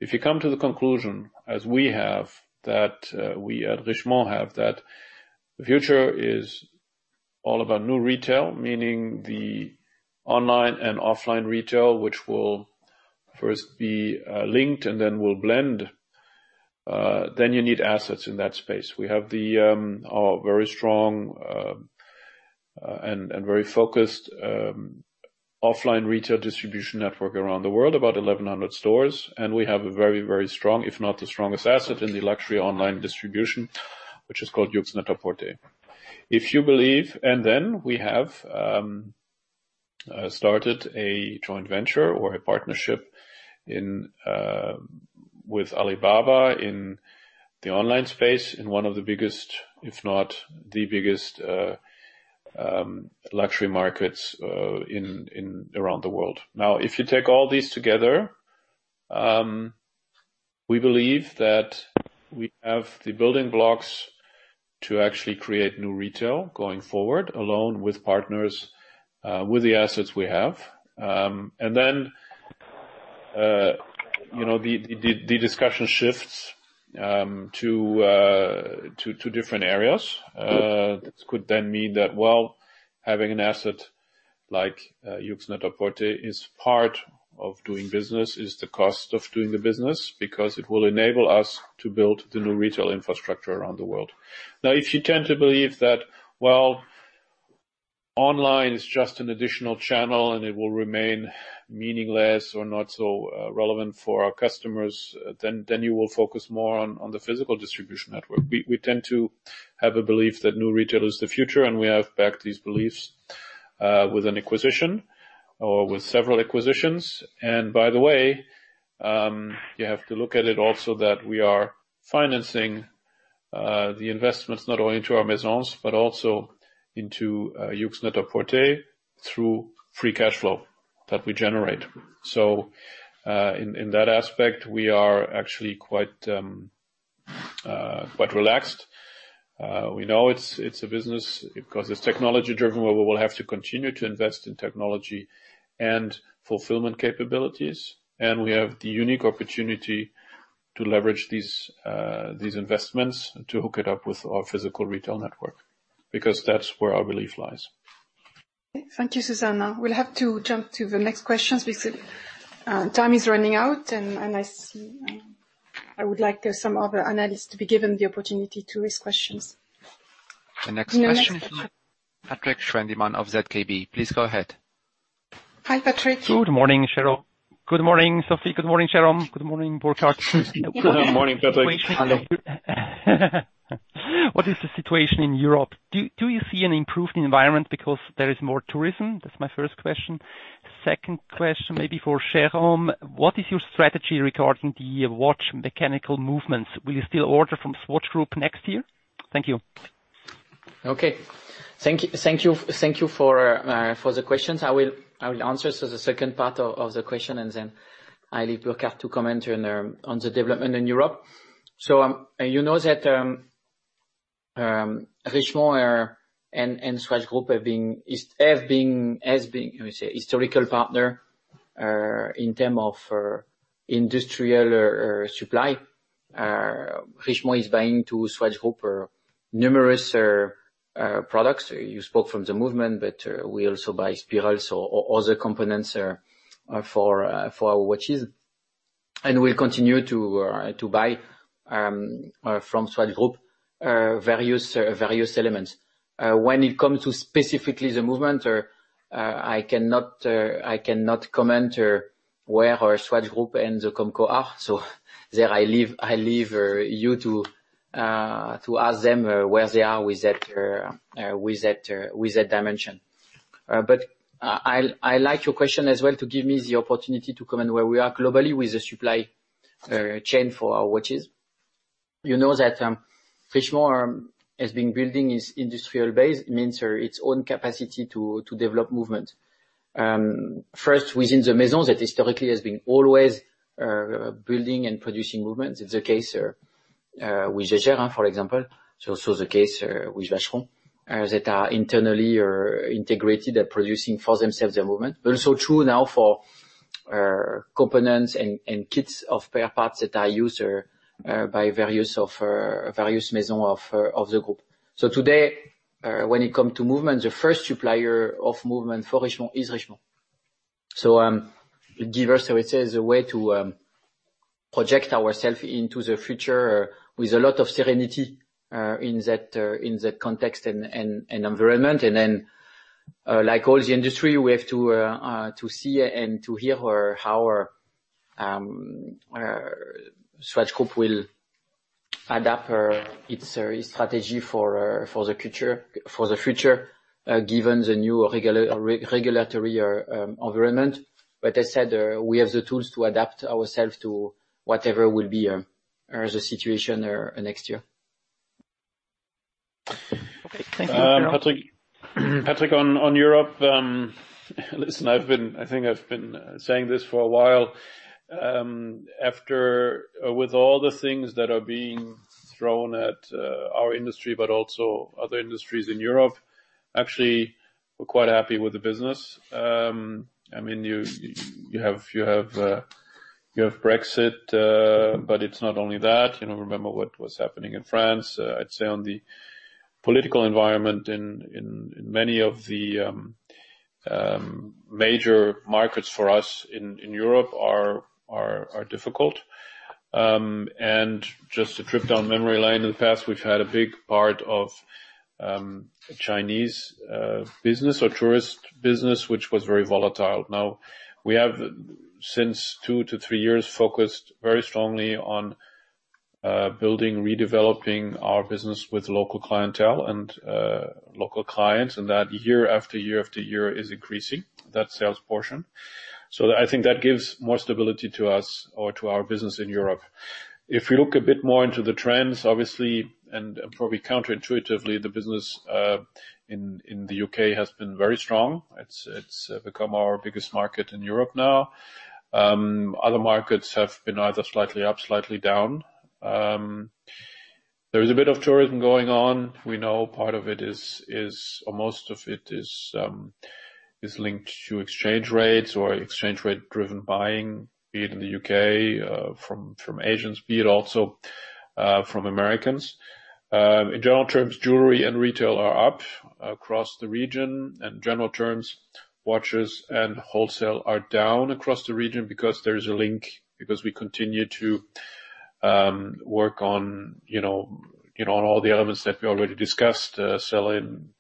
If you come to the conclusion as we have, that we at Richemont have, that the future is all about new retail, meaning the online and offline retail, which will first be linked and then will blend, then you need assets in that space. We have the very strong and very focused offline retail distribution network around the world, about 1,100 stores. We have a very, very strong, if not the strongest asset in the luxury online distribution, which is called YOOX Net-a-Porter. We have started a joint venture or a partnership with Alibaba in the online space in one of the biggest, if not the biggest luxury markets around the world. If you take all these together, we believe that we have the building blocks to actually create new retail going forward, alone with partners, with the assets we have. The discussion shifts to different areas. This could then mean that, well, having an asset like YOOX Net-a-Porter is part of doing business, is the cost of doing the business, because it will enable us to build the new retail infrastructure around the world. If you tend to believe that, well, online is just an additional channel, and it will remain meaningless or not so relevant for our customers, then you will focus more on the physical distribution network. We tend to have a belief that new retail is the future, we have backed these beliefs with an acquisition or with several acquisitions. By the way, you have to look at it also that we are financing the investments not only into our maisons, but also into YOOX Net-a-Porter through free cash flow that we generate. In that aspect, we are actually quite relaxed. We know it's a business because it's technology-driven, where we will have to continue to invest in technology and fulfillment capabilities. We have the unique opportunity to leverage these investments to hook it up with our physical retail network, because that's where our belief lies. Thank you, Zuzanna. We'll have to jump to the next questions because time is running out, and I would like some other analysts to be given the opportunity to ask questions. The next question, Patrik Schwendimann of ZKB, please go ahead. Hi, Patrik. Good morning, Jérôme. Good morning, Sophie. Good morning, Jérôme. Good morning, Burkhart. Good morning, Patrik. How are you? What is the situation in Europe? Do you see an improved environment because there is more tourism? That's my first question. Second question, maybe for Jérôme, what is your strategy regarding the watch mechanical movements? Will you still order from Swatch Group next year? Thank you. Thank you for the questions. I will answer the second part of the question. I leave Burkhart to comment on the development in Europe. You know that Richemont and Swatch Group have been, let me say, historical partner in terms of industrial supply. Richemont is buying from Swatch Group numerous products. You spoke of the movement, we also buy spirals or other components for our watches. We'll continue to buy from Swatch Group various elements. When it comes to specifically the movement, I cannot comment where our Swatch Group and the COMCO are. There I leave you to ask them where they are with that dimension. I like your question as well to give me the opportunity to comment where we are globally with the supply chain for our watches. You know that Richemont has been building its industrial base, means its own capacity to develop movement. First, within the Maisons that historically has been always building and producing movements. It's the case with Jaeger, for example. It's also the case with Vacheron, that are internally integrated and producing for themselves the movement. Also true now for components and kits of spare parts that are used by various Maisons of the group. Today, when it come to movement, the first supplier of movement for Richemont is Richemont. Give us, I would say, the way to project ourself into the future with a lot of serenity in that context and environment. Then, like all the industry, we have to see and to hear how our Swatch Group will adapt its strategy for the future, given the new regulatory environment. As said, we have the tools to adapt ourselves to whatever will be the situation next year. Okay. Thank you, Jérôme. Patrik, on Europe, listen, I think I've been saying this for a while. With all the things that are being thrown at our industry, but also other industries in Europe, actually, we're quite happy with the business. You have Brexit, but it's not only that. Remember what was happening in France. I'd say on the political environment in many of the major markets for us in Europe are difficult. Just a trip down memory lane, in the past, we've had a big part of Chinese business or tourist business, which was very volatile. Now, we have, since two to three years, focused very strongly on building, redeveloping our business with local clientele and local clients, and that year after year after year is increasing, that sales portion. I think that gives more stability to us or to our business in Europe. If we look a bit more into the trends, obviously, probably counterintuitively, the business in the U.K. has been very strong. It's become our biggest market in Europe now. Other markets have been either slightly up, slightly down. There is a bit of tourism going on. We know part of it is, or most of it is linked to exchange rates or exchange rate-driven buying, be it in the U.K. from Asians, be it also from Americans. In general terms, jewelry and retail are up across the region. In general terms, watches and wholesale are down across the region because there is a link, because we continue to work on all the elements that we already discussed, sell-in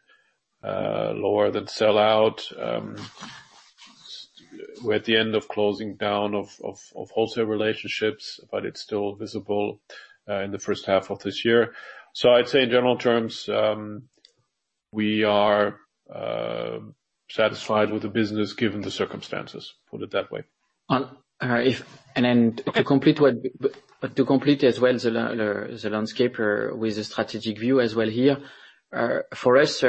lower than sell-out. We're at the end of closing down of wholesale relationships. It's still visible in the first half of this year. I'd say in general terms, we are satisfied with the business given the circumstances, put it that way. To complete as well the landscape with the strategic view as well here, for us,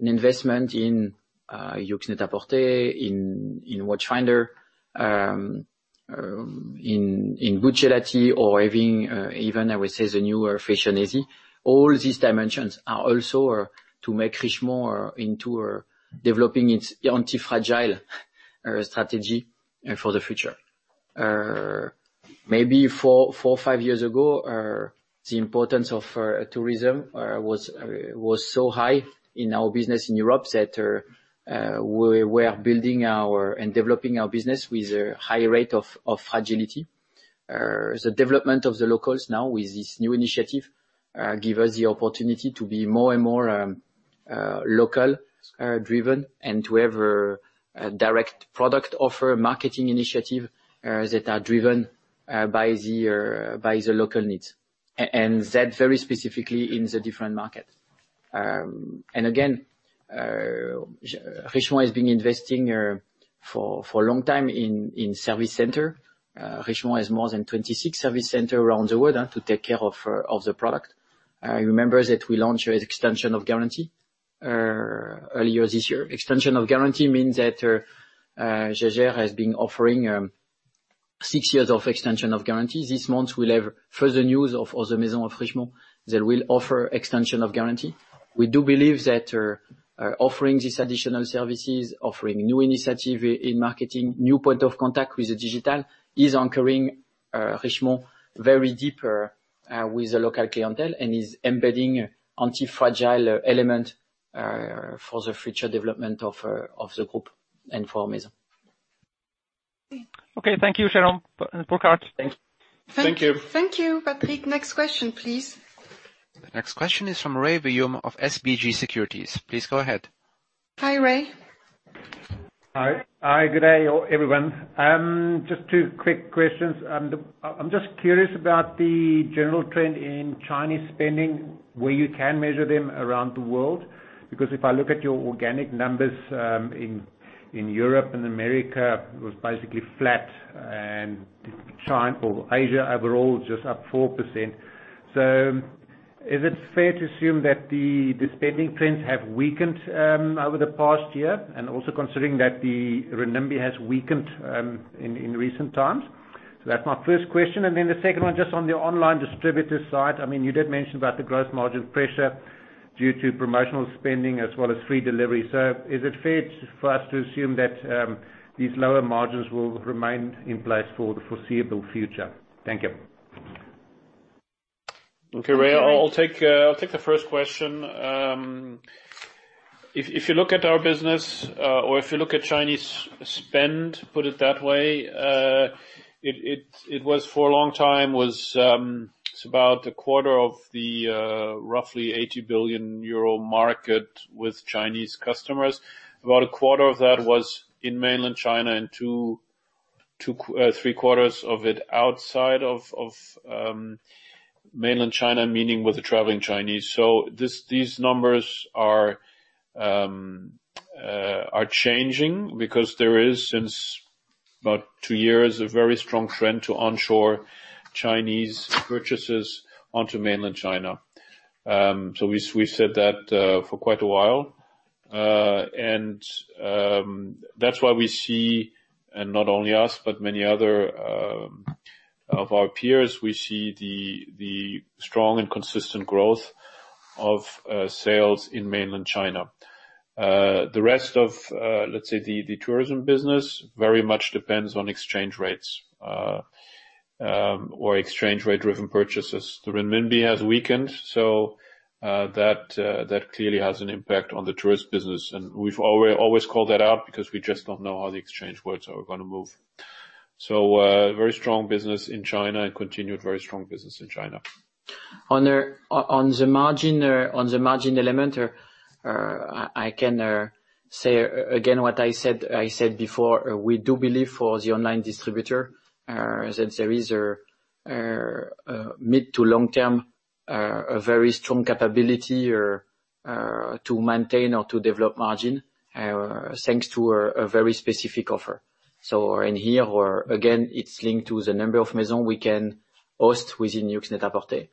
an investment in YOOX Net-a-Porter, in Watchfinder, in Buccellati or even, I would say, the newer AZ Factory. All these dimensions are also to make Richemont into developing its anti-fragile strategy for the future. Maybe four or five years ago, the importance of tourism was so high in our business in Europe that we were building and developing our business with a high rate of fragility. The development of the locals now with this new initiative give us the opportunity to be more and more local-driven and to have a direct product offer marketing initiative that are driven by the local needs. That very specifically in the different market. Again, Richemont has been investing for a long time in service center. Richemont has more than 26 service center around the world to take care of the product. You remember that we launched extension of guarantee earlier this year. Extension of guarantee means that Jaeger has been offering six years of extension of guarantee. This month, we'll have further news of other Maison of Richemont that will offer extension of guarantee. We do believe that offering these additional services, offering new initiative in marketing, new point of contact with the digital is anchoring Richemont very deeper with the local clientele and is embedding anti-fragile element for the future development of the group and for our Maison. Okay. Thank you, Jérôme. Burkhart? Thanks. Thank you. Thank you, Patrik. Next question, please. The next question is from Rey Wium of SBG Securities. Please go ahead. Hi, Rey. Hi, good day everyone. Just two quick questions. I'm just curious about the general trend in Chinese spending, where you can measure them around the world, because if I look at your organic numbers, in Europe and America, it was basically flat, and China or Asia overall just up 4%. Is it fair to assume that the spending trends have weakened over the past year? Also considering that the renminbi has weakened in recent times. That's my first question, and then the second one, just on the online distributor side, you did mention about the gross margin pressure due to promotional spending as well as free delivery. Is it fair for us to assume that these lower margins will remain in place for the foreseeable future? Thank you. Okay, Rey, I'll take the first question. If you look at our business, or if you look at Chinese spend, put it that way, it was for a long time, it's about a quarter of the roughly 80 billion euro market with Chinese customers. About a quarter of that was in mainland China and three quarters of it outside of mainland China, meaning with the traveling Chinese. These numbers are changing because there is, since about two years, a very strong trend to onshore Chinese purchases onto mainland China. We've said that for quite a while. That's why we see, and not only us, but many other of our peers, we see the strong and consistent growth of sales in mainland China. The rest of, let's say, the tourism business very much depends on exchange rates, or exchange rate-driven purchases. The renminbi has weakened. That clearly has an impact on the tourist business. We've always called that out because we just don't know how the exchange rates are going to move. Very strong business in China and continued very strong business in China. On the margin element, I can say again what I said before, we do believe for the online distributor, that there is a mid to long term, a very strong capability to maintain or to develop margin, thanks to a very specific offer. In here, again, it's linked to the number of Maison we can host within YOOX Net-a-Porter.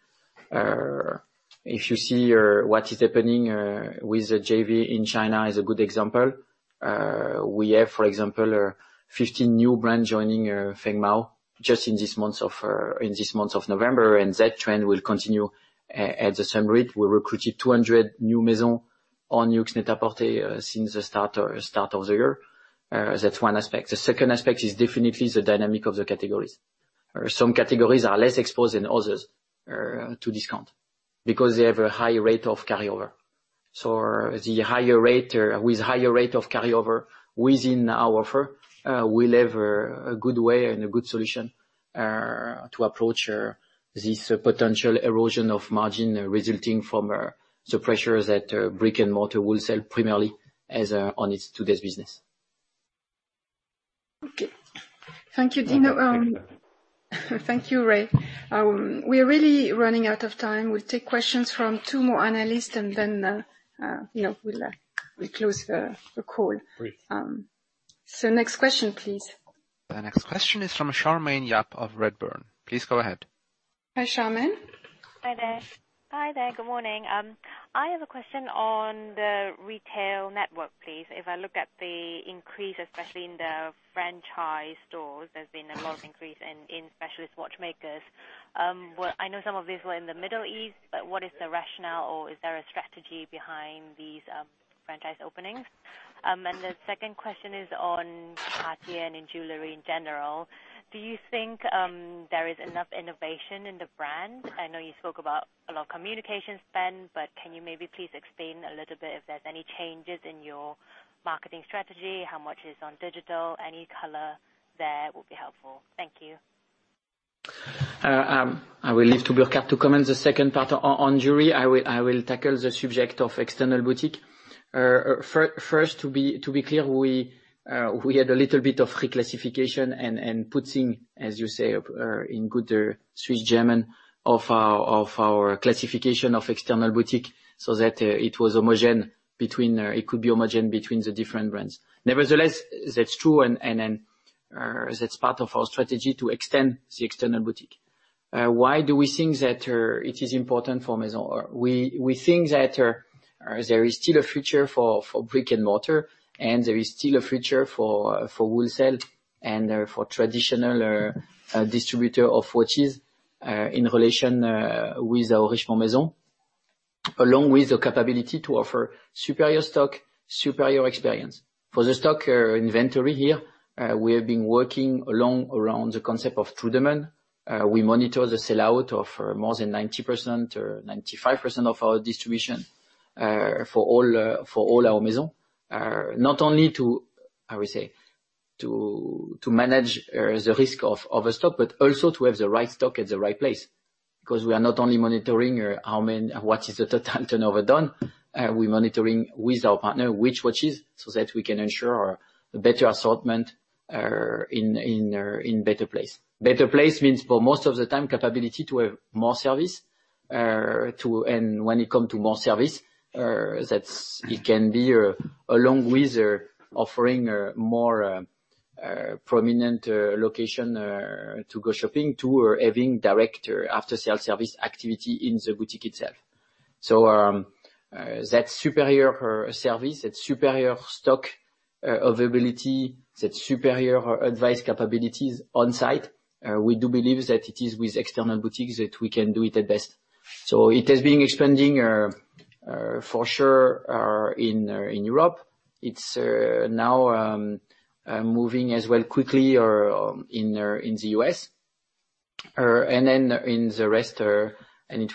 If you see what is happening with the JV in China is a good example. We have, for example, 15 new brand joining Feng Mao just in this month of November, and that trend will continue at the same rate. We recruited 200 new Maison on YOOX Net-a-Porter since the start of the year. That's one aspect. The second aspect is definitely the dynamic of the categories. Some categories are less exposed than others to discount because they have a high rate of carryover. With higher rate of carryover within our offer, we'll have a good way and a good solution to approach this potential erosion of margin resulting from the pressure that brick and mortar will sell primarily as on its today's business. Okay. Thank you, Dino. Thank you, Rey. We're really running out of time. We'll take questions from two more analysts and then we'll close the call. Great. Next question, please. The next question is from Charmaine Yap of Redburn. Please go ahead. Hi, Charmaine. Hi there. Good morning. I have a question on the retail network, please. If I look at the increase, especially in the franchise stores, there's been a large increase in Specialist Watchmakers. I know some of these were in the Middle East, what is the rationale, or is there a strategy behind these franchise openings? The second question is on Cartier and in jewelry in general. Do you think there is enough innovation in the brand? I know you spoke about a lot of communication spend, but can you maybe please explain a little bit if there's any changes in your marketing strategy, how much is on digital? Any color there will be helpful. Thank you. I will leave to Burkhart to comment the second part on jewelry. I will tackle the subject of external boutique. To be clear, we had a little bit of reclassification and putting, as you say, in good Swiss German of our classification of external boutique so that it could be homogeneous between the different brands. That's true and that's part of our strategy to extend the external boutique. Why do we think that it is important for Maisons? We think that there is still a future for brick and mortar, and there is still a future for wholesale and for traditional distributor of watches, in relation with our Richemont Maisons, along with the capability to offer superior stock, superior experience. For the stock inventory here, we have been working along around the concept of true demand. We monitor the sell-out of more than 90% or 95% of our distribution, for all our Maison. To manage the risk of a stock, but also to have the right stock at the right place. We are not only monitoring what is the total turnover done. We're monitoring with our partner which watches, that we can ensure a better assortment in better place. Better place means, for most of the time, capability to have more service. When it come to more service, that it can be along with offering a more prominent location to go shopping, to having director after sales service activity in the boutique itself. That superior service, that superior stock availability, that superior advice capabilities on site, we do believe that it is with external boutiques that we can do it at best. It has been expanding, for sure, in Europe. It's now moving as well, quickly, in the U.S. It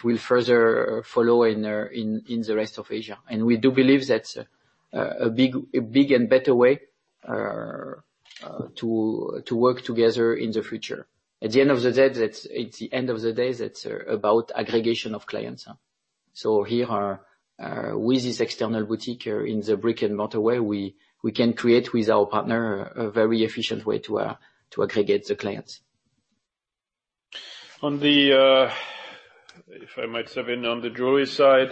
will further follow in the rest of Asia. We do believe that a big and better way to work together in the future. At the end of the day, it's about aggregation of clients. Here are, with this external boutique in the brick-and-mortar way, we can create with our partner a very efficient way to aggregate the clients. If I might step in on the jewelry side.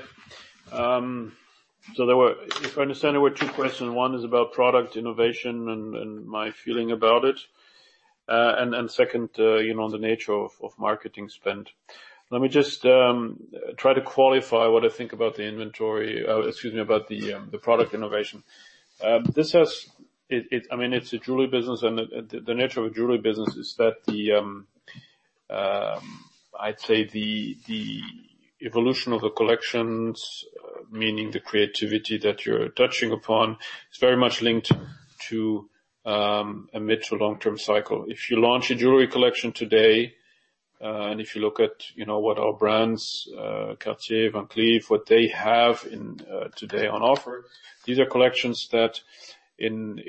If I understand, there were two questions. One is about product innovation and my feeling about it. Second, the nature of marketing spend. Let me just try to qualify what I think about the inventory. Excuse me, about the product innovation. It's a jewelry business and the nature of a jewelry business is that, I'd say the evolution of the collections, meaning the creativity that you're touching upon, is very much linked to a mid to long-term cycle. If you launch a jewelry collection today, and if you look at what our brands, Cartier, Van Cleef, what they have today on offer, these are collections that in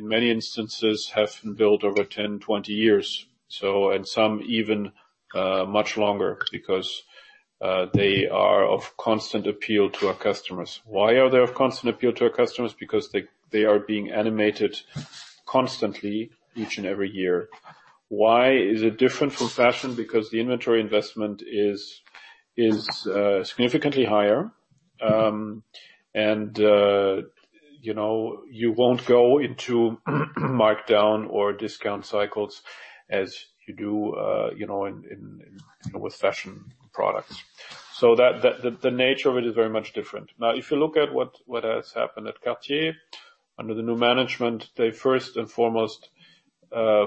many instances have been built over 10, 20 years. Some even much longer because they are of constant appeal to our customers. Why are they of constant appeal to our customers? Because they are being animated constantly, each and every year. Why is it different from fashion? Because the inventory investment is significantly higher. You won't go into markdown or discount cycles as you do with fashion products. The nature of it is very much different. Now, if you look at what has happened at Cartier under the new management, they first and foremost,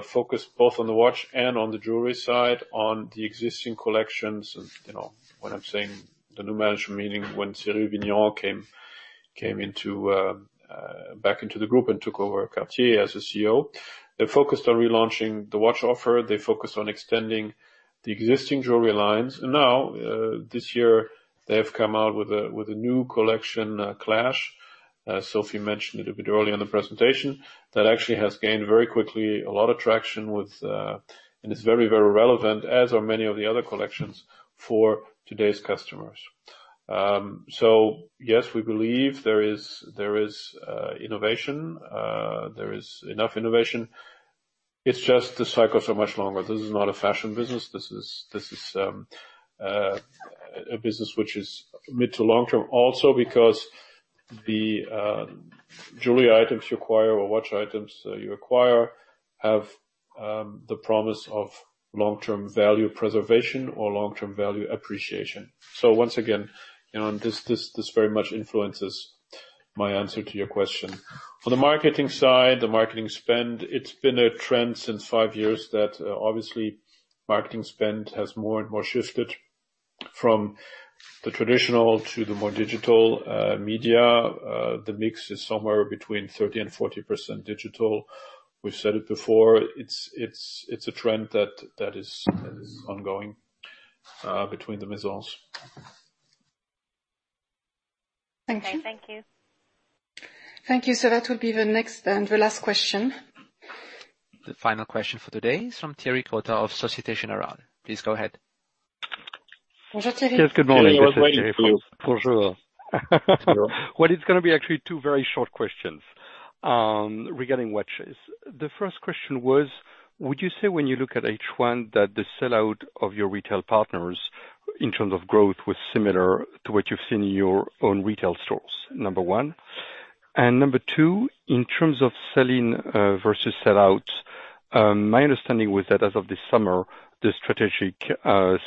focused both on the watch and on the jewelry side on the existing collections. When I'm saying the new management, meaning when Cyrille Vigneron came back into the group and took over Cartier as a CEO. They focused on relaunching the watch offer. They focused on extending the existing jewelry lines. Now, this year, they have come out with a new collection, Clash. Sophie mentioned it a bit earlier in the presentation, that actually has gained very quickly a lot of traction with, and is very relevant, as are many of the other collections, for today's customers. Yes, we believe there is innovation. There is enough innovation. It's just the cycles are much longer. This is not a fashion business. This is a business which is mid to long-term. Also because the jewelry items you acquire or watch items you acquire have the promise of long-term value preservation or long-term value appreciation. Once again, this very much influences my answer to your question. On the marketing side, the marketing spend, it's been a trend since five years that obviously marketing spend has more and more shifted from the traditional to the more digital media. The mix is somewhere between 30% and 40% digital. We've said it before, it's a trend that is ongoing between the Maisons. Thank you. Okay, thank you. Thank you. That will be the next and the last question. The final question for today is from Thierry Cota of Société Générale. Please go ahead. Bonjour, Thierry. Yes, good morning. This is Thierry Cota. Bonjour. Well, it's going to be actually two very short questions regarding watches. The first question was, would you say when you look at H1 that the sell-out of your retail partners in terms of growth was similar to what you've seen in your own retail stores? Number one. Number two, in terms of selling versus sellout, my understanding was that as of this summer, the strategic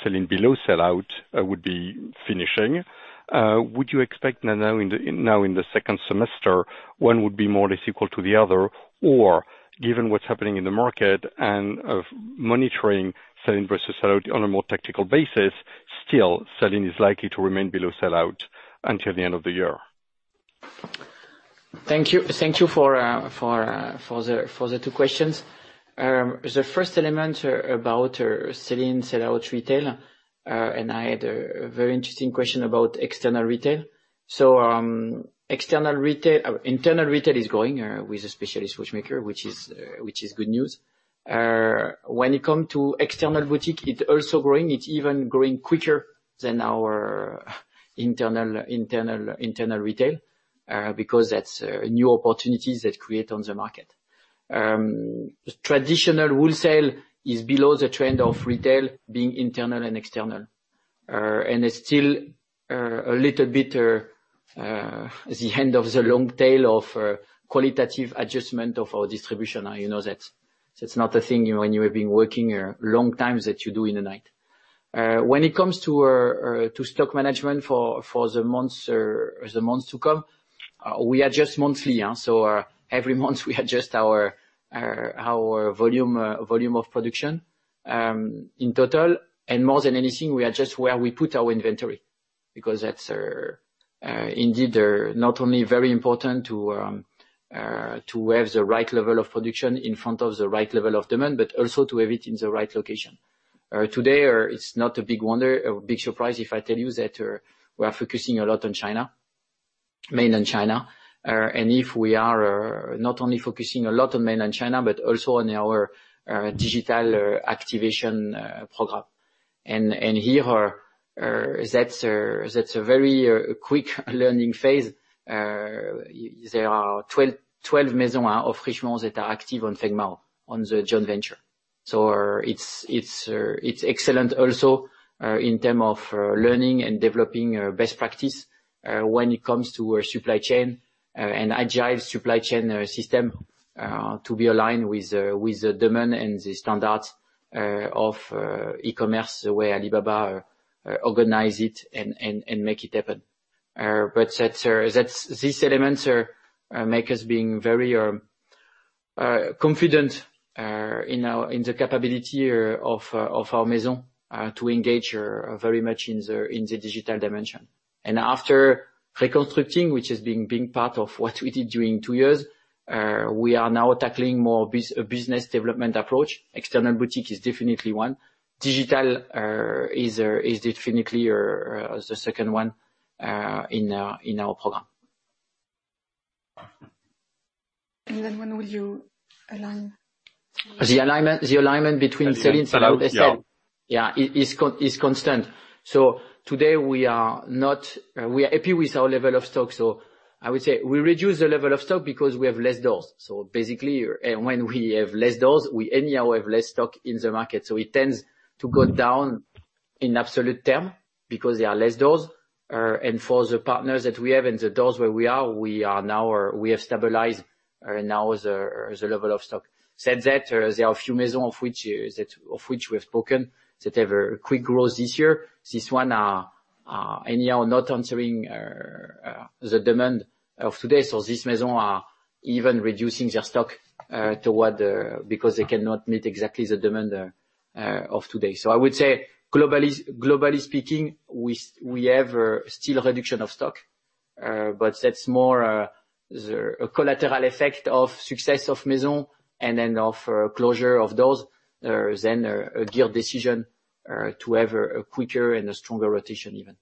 selling below sellout would be finishing. Would you expect now in the second semester, one would be more or less equal to the other? Given what's happening in the market and of monitoring selling versus sellout on a more tactical basis, still selling is likely to remain below sellout until the end of the year? Thank you for the two questions. The first element about selling sellout retail. I had a very interesting question about external retail. Internal retail is growing with the Specialist Watchmakers, which is good news. When it comes to external boutique, it's also growing. It's even growing quicker than our internal retail, because that's new opportunities that create on the market. Traditional wholesale is below the trend of retail being internal and external. It's still a little bit the end of the long tail of qualitative adjustment of our distribution. You know that. It's not a thing when you have been working long times that you do in the night. When it comes to stock management for the months to come, we adjust monthly. Every month, we adjust our volume of production in total. More than anything, we adjust where we put our inventory, because that's indeed not only very important to have the right level of production in front of the right level of demand, but also to have it in the right location. Today, it's not a big surprise if I tell you that we are focusing a lot on China, mainland China. If we are not only focusing a lot on mainland China, but also on our digital activation program. Here, that's a very quick learning phase. There are 12 Maisons of Richemont that are active on Feng Mao, on the joint venture. It's excellent also in term of learning and developing best practice, when it comes to a supply chain and agile supply chain system to be aligned with the demand and the standards of e-commerce, the way Alibaba organize it and make it happen. These elements make us being very confident in the capability of our Maison to engage very much in the digital dimension. After reconstructing, which has been part of what we did during two years, we are now tackling more a business development approach. External boutique is definitely one. Digital is definitely the second one in our program. When will you align? The alignment between sell-in sell-in, yeah. Is constant. Today, we are happy with our level of stock. I would say we reduce the level of stock because we have less doors. Basically, when we have less doors, we anyhow have less stock in the market. It tends to go down in absolute term, because there are less doors. For the partners that we have and the doors where we are, we have stabilized now the level of stock. Said that, there are a few Maison of which we've spoken, that have a quick growth this year. This one are anyhow not answering the demand of today. This Maison are even reducing their stock because they cannot meet exactly the demand of today. I would say, globally speaking, we have still reduction of stock. That's more a collateral effect of success of Maison and then of closure of doors than a real decision to have a quicker and a stronger rotation even.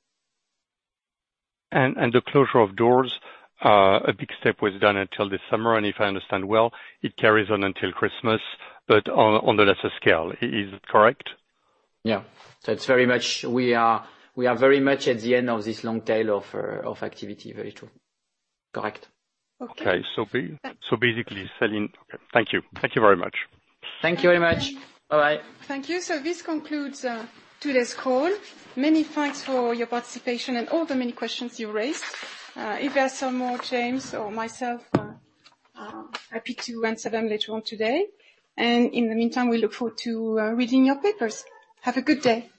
The closure of doors, a big step was done until this summer, and if I understand well, it carries on until Christmas, but on a lesser scale. Is it correct? Yeah. We are very much at the end of this long tail of activity. Very true. Correct. Okay. Okay. Basically, sell-in. Thank you. Thank you very much. Thank you very much. Bye-bye. Thank you. This concludes today's call. Many thanks for your participation and all the many questions you raised. If there are some more, James or myself are happy to answer them later on today. In the meantime, we look forward to reading your papers. Have a good day.